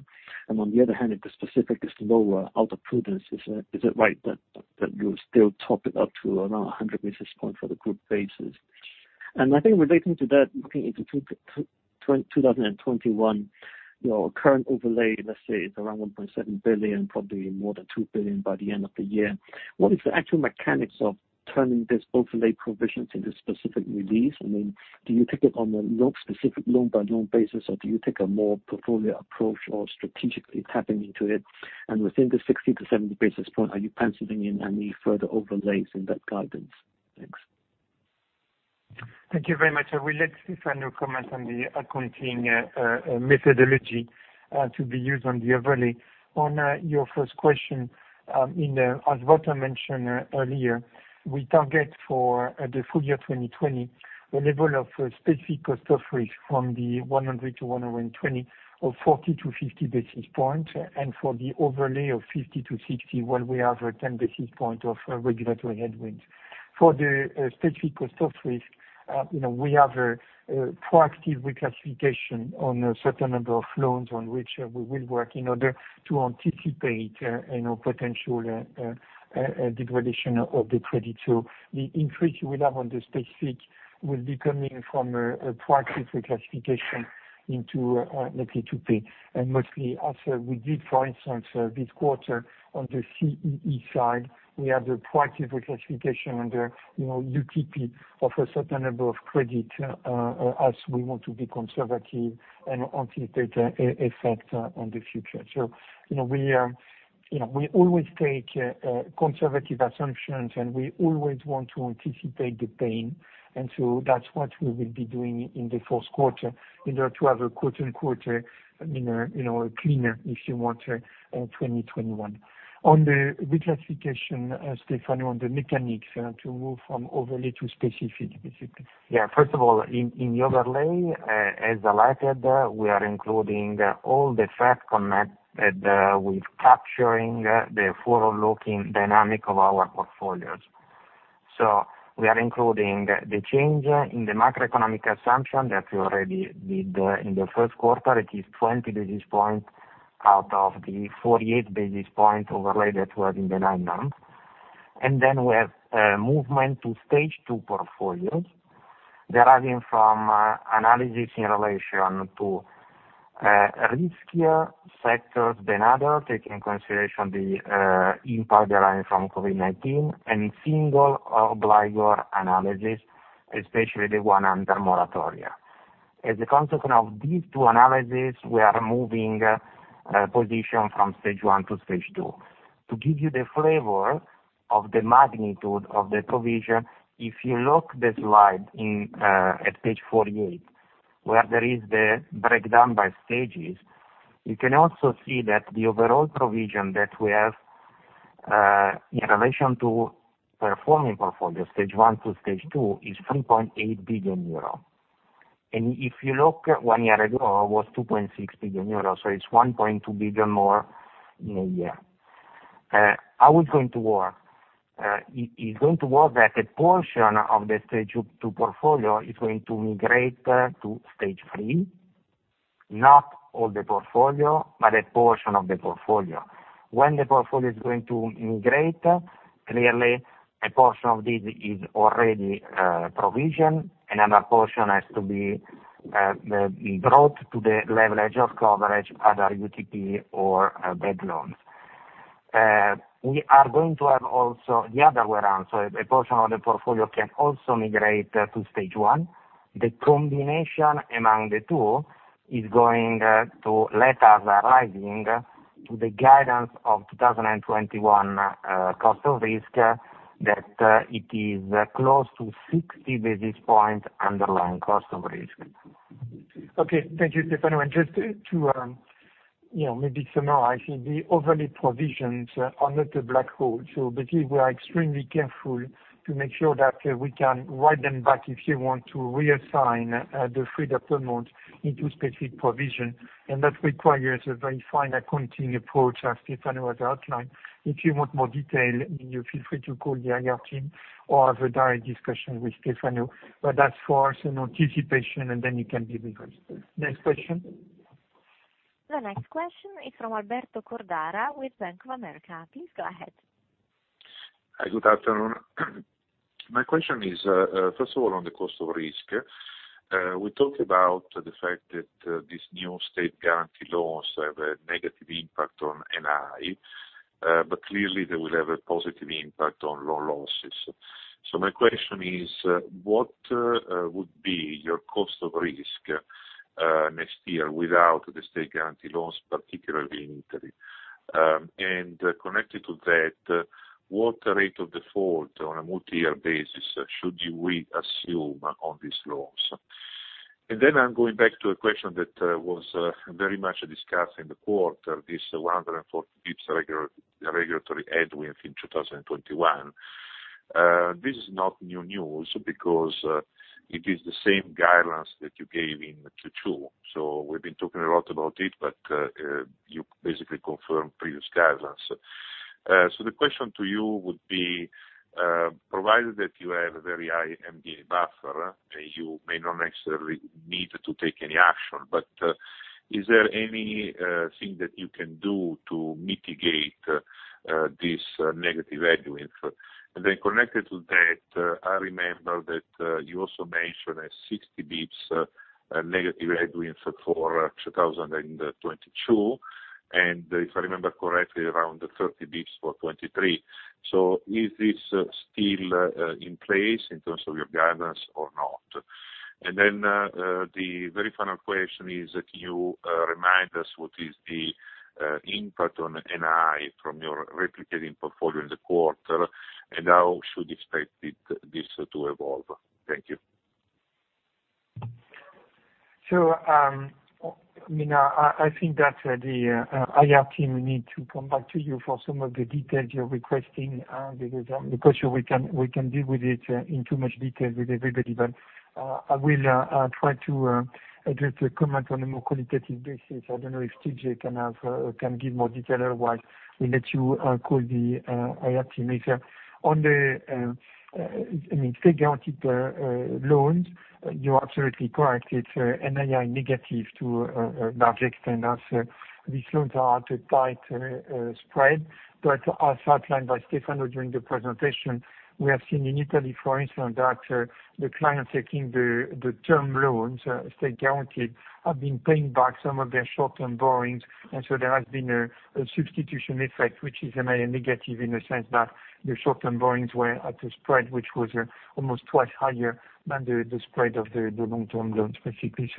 On the other hand, if the specific is lower, out of prudence, is it right that you'll still top it up to around 100 basis point for the group basis? I think relating to that, looking into 2021, your current overlay, let's say, is around 1.7 billion, probably more than 2 billion by the end of the year. What is the actual mechanics of turning this overlay provision into specific release? I mean, do you take it on a specific loan-by-loan basis, or do you take a more portfolio approach or strategically tapping into it? Within this 60 basis points to 70 basis point, are you penciling in any further overlays in that guidance? Thanks. Thank you very much. I will let Stefano comment on the accounting methodology to be used on the overlay. On your first question, as Wouter mentioned earlier, we target for the full-year 2020, the level of specific cost of risk from the 100 basis points to 120 basis points or 40 basis points to 50 basis points, and for the overlay of 50 basis points to 60 basis points, while we have a 10 basis point of regulatory headwind. For the specific cost of risk, we have a proactive reclassification on a certain number of loans on which we will work in order to anticipate potential degradation of the credit. The increase we have on the specific will be coming from a proactive reclassification into UTP. Mostly also we did, for instance, this quarter on the CEE side, we have the proactive reclassification under UTP of a certain number of credit, as we want to be conservative and anticipate the effect on the future. We always take conservative assumptions, and we always want to anticipate the pain. That's what we will be doing in the fourth quarter in order to have a "cleaner", if you want, 2021. On the reclassification, Stefano, on the mechanics to move from overlay to specific, basically. First of all, in the overlay, as highlighted, we are including all the facts connected with capturing the forward-looking dynamic of our portfolios. We are including the change in the macroeconomic assumption that we already did in the first quarter. It is 20 basis points out of the 48 basis points overlay that were in the nine months. Then we have movement to Stage 2 portfolios deriving from analysis in relation to riskier sectors than others, taking consideration the impact deriving from COVID-19, and single obligor analysis, especially the one under moratoria. As a consequence of these two analyses, we are moving positions from Stage 1 to Stage 2. To give you the flavor of the magnitude of the provision, if you look at the slide at page 48 where there is the breakdown by stages, you can also see that the overall provision that we have, in relation to performing portfolio, Stage 1 to Stage 2, is 3.8 billion euro. If you look one year ago, it was 2.6 billion euro. It's 1.2 billion more in a year. How it's going to work? It's going to work that a portion of the Stage 2 portfolio is going to migrate to Stage 3, not all the portfolio, but a portion of the portfolio. When the portfolio is going to migrate, clearly a portion of this is already provisioned, another portion has to be brought to the level edge of coverage, either UTP or bad loans. We are going to have also the other way around. A portion of the portfolio can also migrate to Stage 1. The combination among the two is going to let us arriving to the guidance of 2021 cost of risk, that it is close to 60 basis points underlying cost of risk. Thank you, Stefano, and just to, you know, maybe summarize, the overlay provisions are not a black hole, so basically we are extremely careful to make sure that we can write them back if you want to reassign the freed-up amount into specific provision, and that requires a very fine accounting approach, as Stefano has outlined. If you want more detail, feel free to call the IR team or have a direct discussion with Stefano. That's for us an anticipation, and then you can deliver it. Next question. The next question is from Alberto Cordara with Bank of America. Please go ahead. Hi, good afternoon. My question is, first of all, on the cost of risk. We talked about the fact that these new state guarantee laws have a negative impact on NII, but clearly they will have a positive impact on loan losses. My question is, what would be your cost of risk next year without the state guarantee laws, particularly in Italy? Connected to that, what rate of default on a multi-year basis should we assume on these laws? I'm going back to a question that was very much discussed in the quarter, this 140 basis points regulatory headwind in 2021. This is not new news because it is the same guidance that you gave in 2022. We've been talking a lot about it, but you basically confirmed previous guidance. The question to you would be, provided that you have a very high MDA buffer, you may not necessarily need to take any action, but is there anything that you can do to mitigate this negative headwind? Connected to that, I remember that you also mentioned a 60 basis points negative headwind for 2022, and if I remember correctly, around 30 basis points for 2023. Is this still in place in terms of your guidance or not? The very final question is, can you remind us what is the impact on NII from your replicating portfolio in the quarter, and how should expected this to evolve? Thank you. Sure, you know, I think that the IR team need to come back to you for some of the details you're requesting, because we can't deal with it in too much detail with everybody. I will try to address a comment on a more qualitative basis. I don't know if TJ can give more detail, otherwise, we'll let you call the IR team later. On the state-guaranteed loans, you're absolutely correct. It's NII negative to a large extent, as these loans are at a tight spread. As outlined by Stefano during the presentation, we have seen in Italy, for instance, that the clients taking the term loans state-guaranteed, have been paying back some of their short-term borrowings. There has been a substitution effect, which is NII negative in the sense that the short-term borrowings were at a spread, which was almost twice higher than the spread of the long-term loans, specifically.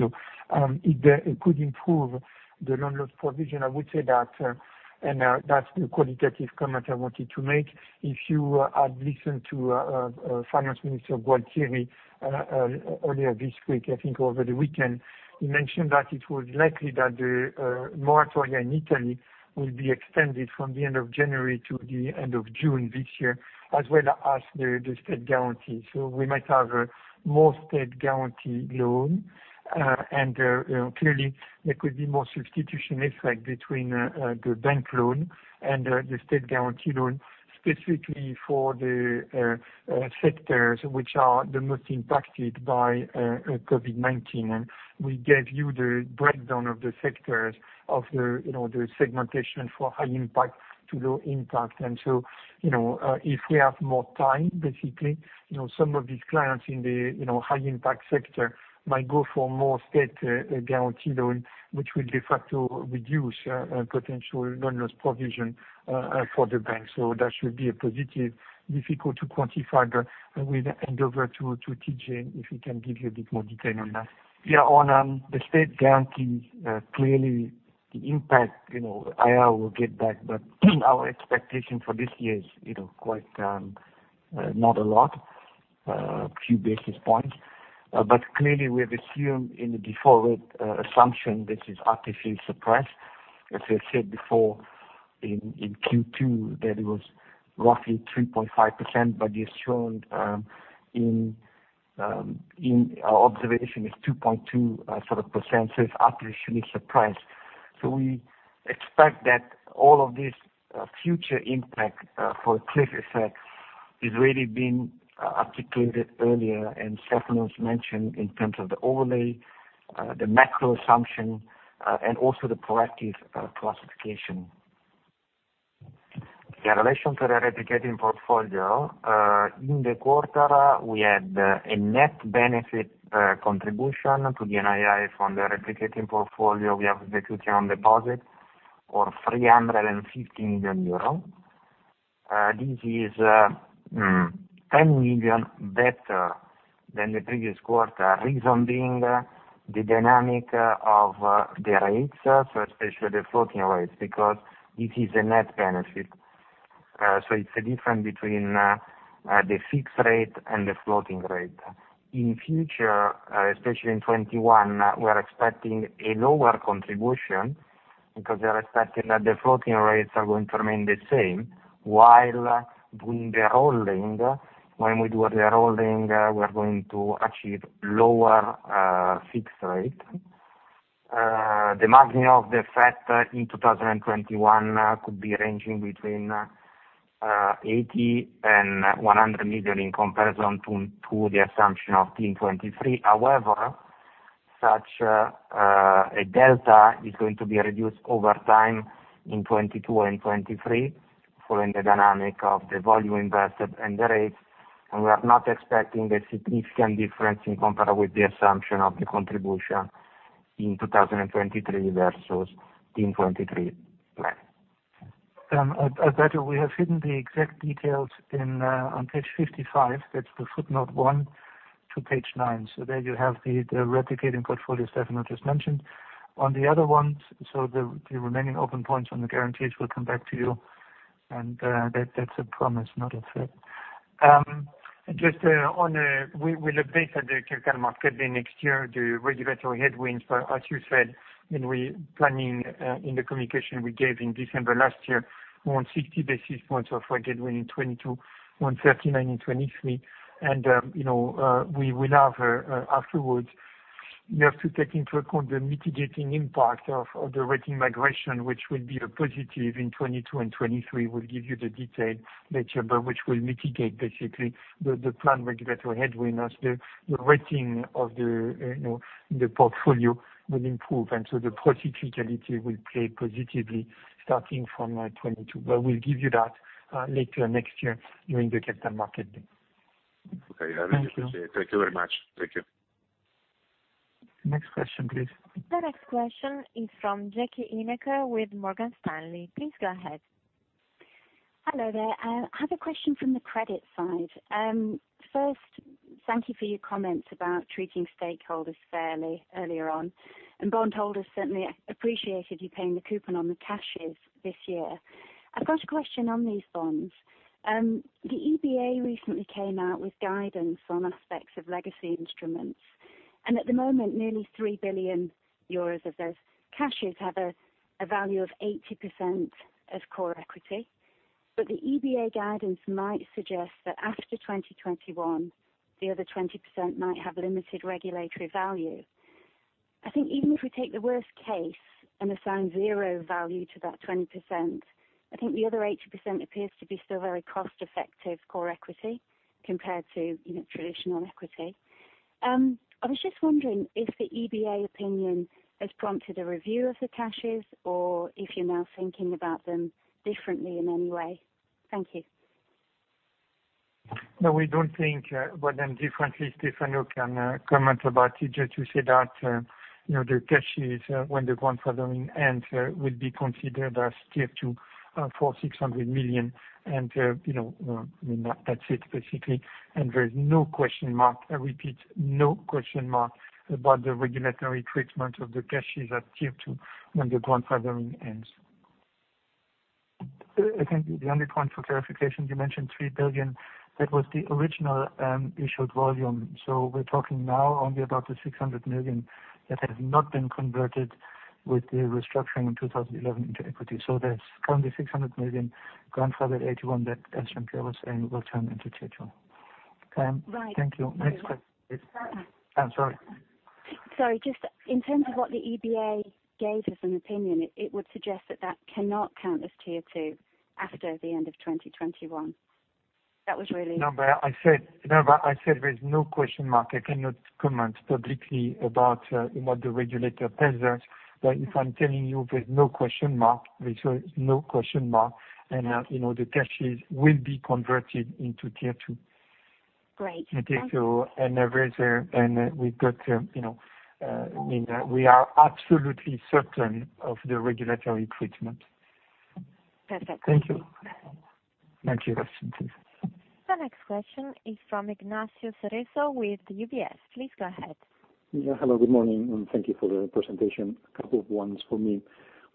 It could improve the loan loss provision, I would say that, and that's the qualitative comment I wanted to make. If you had listened to Finance Minister Gualtieri earlier this week, I think over the weekend, he mentioned that it was likely that the moratorium in Italy will be extended from the end of January to the end of June this year, as well as the state guarantee. We might have more state guarantee loan, and clearly there could be more substitution effect between the bank loan and the state guarantee loan specifically for the sectors which are the most impacted by COVID-19. We gave you the breakdown of the sectors of the segmentation for high impact to low impact. If we have more time, basically, some of these clients in the high impact sector might go for more state guarantee loan, which will de facto reduce potential Loan Loss Provisions for the bank. That should be a positive. Difficult to quantify, but we'll hand over to TJ, if he can give you a bit more detail on that. On the state guarantees, clearly the impact LLP will get back, but our expectation for this year is quite not a lot, a few basis points. Clearly we have assumed in the default rate assumption this is artificially suppressed. As I said before, in Q2, that it was roughly 3.5%, but as shown in our observation is 2.2%, so it's artificially suppressed. We expect that all of this future impact for a cliff effect is really been articulated earlier, and Stefano's mentioned in terms of the overlay, the macro assumption, and also the proactive classification. In relation to the replicating portfolio, in the quarter, we had a net benefit contribution to the NII from the replicating portfolio. We have execution on deposit or 350 million euro. This is 10 million better than the previous quarter. Reason being the dynamic of the rates, especially the floating rates, because it is a net benefit. It's the difference between the fixed rate and the floating rate. In future, especially in 2021, we're expecting a lower contribution because we are expecting that the floating rates are going to remain the same while doing the rolling. When we do the rolling, we're going to achieve lower fixed rate. The margin of the effect in 2021 could be ranging between 80 million and 100 million in comparison to the assumption of Team 23. Such a delta is going to be reduced over time in 2022 and 2023 following the dynamic of the volume invested and the rates, and we are not expecting a significant difference in compared with the assumption of the contribution in 2023 versus Team 23 plan. Alberto, we have given the exact details on page 55. That's the footnote one to page nine. There you have the replicating portfolio Stefano just mentioned. On the other ones, so the remaining open points on the guarantees, we'll come back to you, and that's a promise, not a threat. We'll update at the Capital Markets Day next year, the regulatory headwinds, but as you said, in planning in the communication we gave in December last year, more than 60 basis points of headwind in 2022, 139 basis points in 2023. We will have, afterwards, we have to take into account the mitigating impact of the rating migration, which will be a positive in 2022 and 2023. We'll give you the detail later, but which will mitigate basically the planned regulatory headwind as the rating of the portfolio will improve. The credit quality will play positively starting from 2022. We'll give you that later next year during the Capital Market Day. Okay. I appreciate. Thank you. Thank you very much. Thank you. Next question, please. The next question is from Jackie Ineke with Morgan Stanley. Please go ahead. Hello there. I have a question from the credit side. First, thank you for your comments about treating stakeholders fairly earlier on, and bondholders certainly appreciated you paying the coupon on the CASHES this year. I've got a question on these bonds. The EBA recently came out with guidance on aspects of legacy instruments. At the moment, nearly 3 billion euros of those CASHES have a value of 80% of core equity. The EBA guidance might suggest that after 2021, the other 20% might have limited regulatory value. I think even if we take the worst case and assign zero value to that 20%, I think the other 80% appears to be still very cost-effective core equity compared to traditional equity. I was just wondering if the EBA opinion has prompted a review of the CASHES or if you're now thinking about them differently in any way. Thank you. No, we don't think about them differently. Stefano can comment about it, just to say that the CASHES, when the grandfathering ends, will be considered as Tier 2 for 600 million, and that's it, basically. There's no question mark, I repeat, no question mark about the regulatory treatment of the CASHES at Tier 2 when the grandfathering ends. I think the only point for clarification, you mentioned 3 billion. That was the original issued volume. We're talking now only about the 600 million that has not been converted with the restructuring in 2011 into equity. There's currently 600 million grandfathered AT1 that, as Jean Pierre was saying, will turn into Tier 2. Right. Thank you. Next question, please. I'm sorry. Sorry. In terms of what the EBA gave as an opinion, it would suggest that that cannot count as Tier 2 after the end of 2021. No, I said there's no question mark. I cannot comment publicly about what the regulator says. If I'm telling you there's no question mark, there's no question mark, and the CASHES will be converted into Tier 2. Great. Thank you. We are absolutely certain of the regulatory treatment. Perfect. Thank you. Next question, please. The next question is from Ignacio Cerezo with UBS. Please go ahead. Yeah. Hello, good morning, Thank you for the presentation. A couple of ones for me.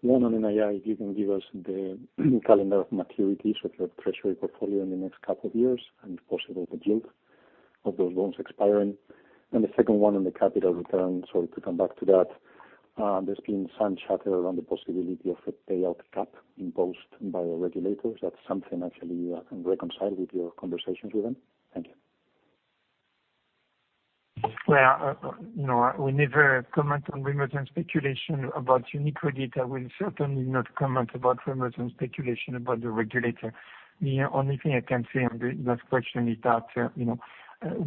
One on NII, if you can give us the calendar of maturities of your treasury portfolio in the next couple of years, and possibly the client of those loans expiring. The second one on the capital return, sorry to come back to that. There's been some chatter around the possibility of a payout cap imposed by the regulators. That's something actually you can reconcile with your conversations with them. Thank you. Well, no, we never comment on rumors and speculation about UniCredit. I will certainly not comment about rumors and speculation about the regulator. The only thing I can say on the last question is that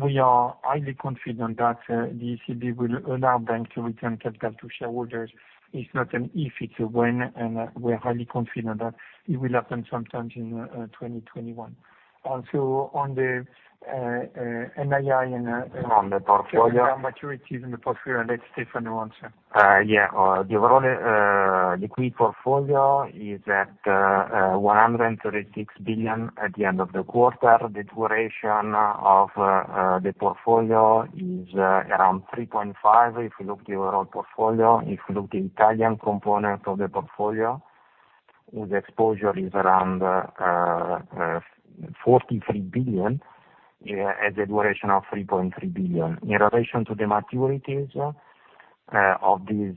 we are highly confident that the ECB will allow banks to return capital to shareholders. It's not an if, it's a when, and we're highly confident that it will happen sometimes in 2021. Also, on the NII. On the portfolio. maturities in the portfolio, let Stefano answer. Yeah. The overall liquid portfolio is at 136 billion at the end of the quarter. The duration of the portfolio is around 3.5 years, if you look at the overall portfolio. If you look the Italian component of the portfolio, the exposure is around 43 billion, has a duration of 3.3 years. In relation to the maturities of these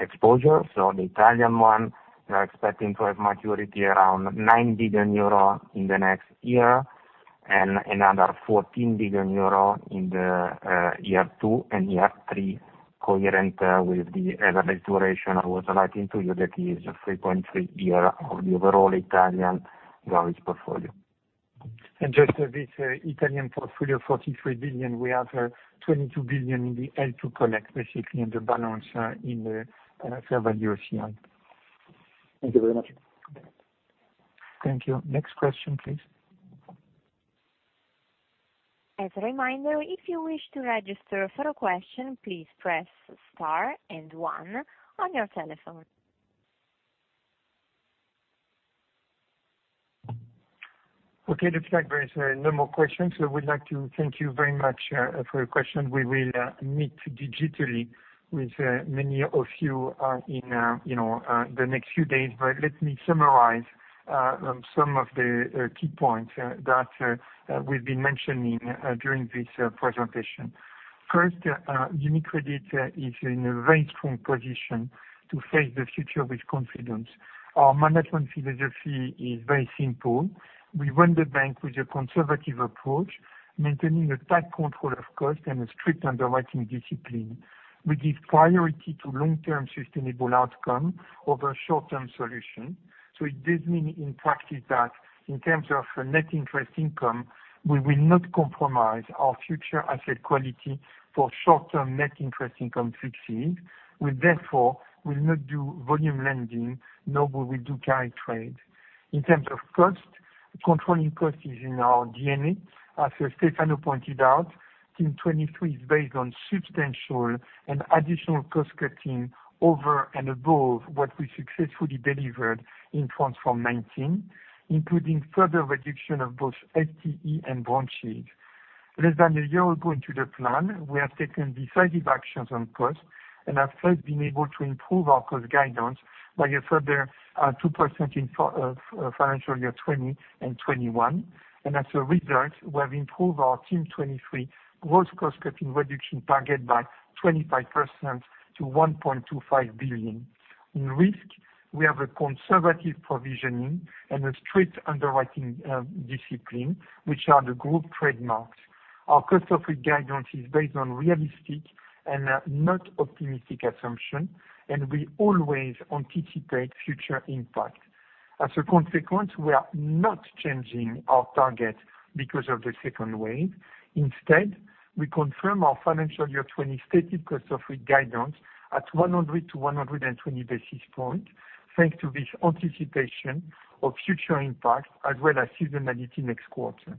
exposures, so the Italian one, we are expecting to have maturity around 9 billion euro in the next year, and another 14 billion euro in the year two and year three, coherent with the average duration I was highlighting to you, that is 3.3 years of the overall Italian government portfolio. Just this Italian portfolio of 43 billion, we have 22 billion in the L2 connect, basically in the balance in the fair value of OCI. Thank you very much. Thank you. Next question, please. As a reminder, if you wish to register for a question, please press star and one on your telephone. Okay. It looks like there is no more questions. We'd like to thank you very much for your question. We will meet digitally with many of you in, you know, the next few days. Let me summarize some of the key points that we've been mentioning during this presentation. First, UniCredit is in a very strong position to face the future with confidence. Our management philosophy is very simple. We run the bank with a conservative approach, maintaining a tight control of cost and a strict underwriting discipline. We give priority to long-term sustainable outcome over short-term solution. It does mean in practice that in terms of net interest income, we will not compromise our future asset quality for short-term net interest income fixes. We, therefore, will not do volume lending, nor will we do carry trade. In terms of cost. Controlling cost is in our DNA. As Stefano pointed out, Team 23 is based on substantial and additional cost-cutting over and above what we successfully delivered in Transform 2019, including further reduction of both FTE and branches. Less than a year ago into the plan, we have taken decisive actions on cost, and have thus been able to improve our cost guidance by a further 2% in financial year 2020 and 2021. As a result, we have improved our Team 23 gross cost-cutting reduction target by 25% to 1.25 billion. In risk, we have a conservative provisioning and a strict underwriting discipline, which are the group trademarks. Our cost guidance is based on realistic and not optimistic assumption, and we always anticipate future impact. As a consequence, we are not changing our target because of the second wave. Instead, we confirm our financial year 2020 stated cost of risk guidance at 100 basis points to 120 basis points, thanks to this anticipation of future impact as well as seasonality next quarter.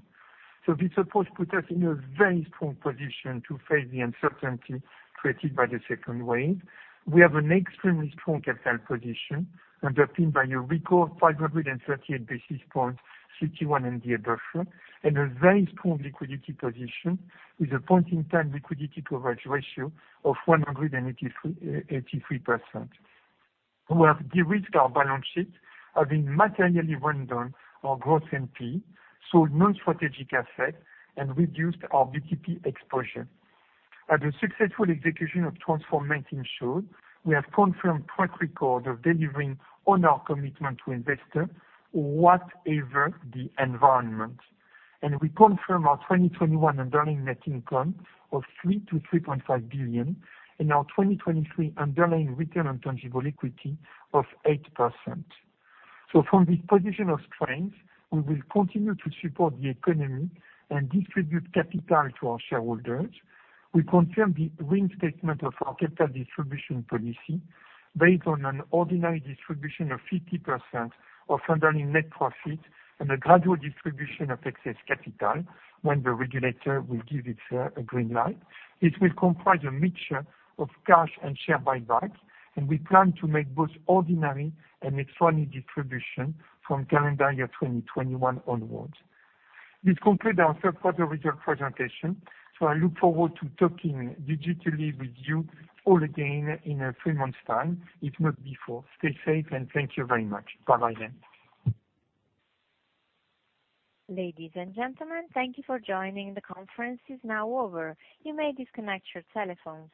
This approach put us in a very strong position to face the uncertainty created by the second wave. We have an extremely strong capital position, underpinned by a record 538 basis points CET1 MDA buffer, and a very strong liquidity position with a point-in-time liquidity coverage ratio of 183%. We have de-risked our balance sheet, having materially wound down our gross NPE, sold non-strategic assets, and reduced our BTP exposure. As the successful execution of Transform 2019 showed, we have confirmed track record of delivering on our commitment to investors, whatever the environment. We confirm our 2021 underlying net income of 3 billion to 3.5 billion, and our 2023 underlying return on tangible equity of 8%. From this position of strength, we will continue to support the economy and distribute capital to our shareholders. We confirm the reinstatement of our capital distribution policy, based on an ordinary distribution of 50% of underlying net profit and a gradual distribution of excess capital when the regulator will give its green light. It will comprise a mixture of cash and share buybacks, and we plan to make both ordinary and extraordinary distribution from calendar year 2021 onwards. This concludes our third quarter results presentation. I look forward to talking digitally with you all again in a three months' time, if not before. Stay safe, and thank you very much. Bye-bye then. Ladies and gentlemen, thank you for joining. The conference is now over. You may disconnect your telephones.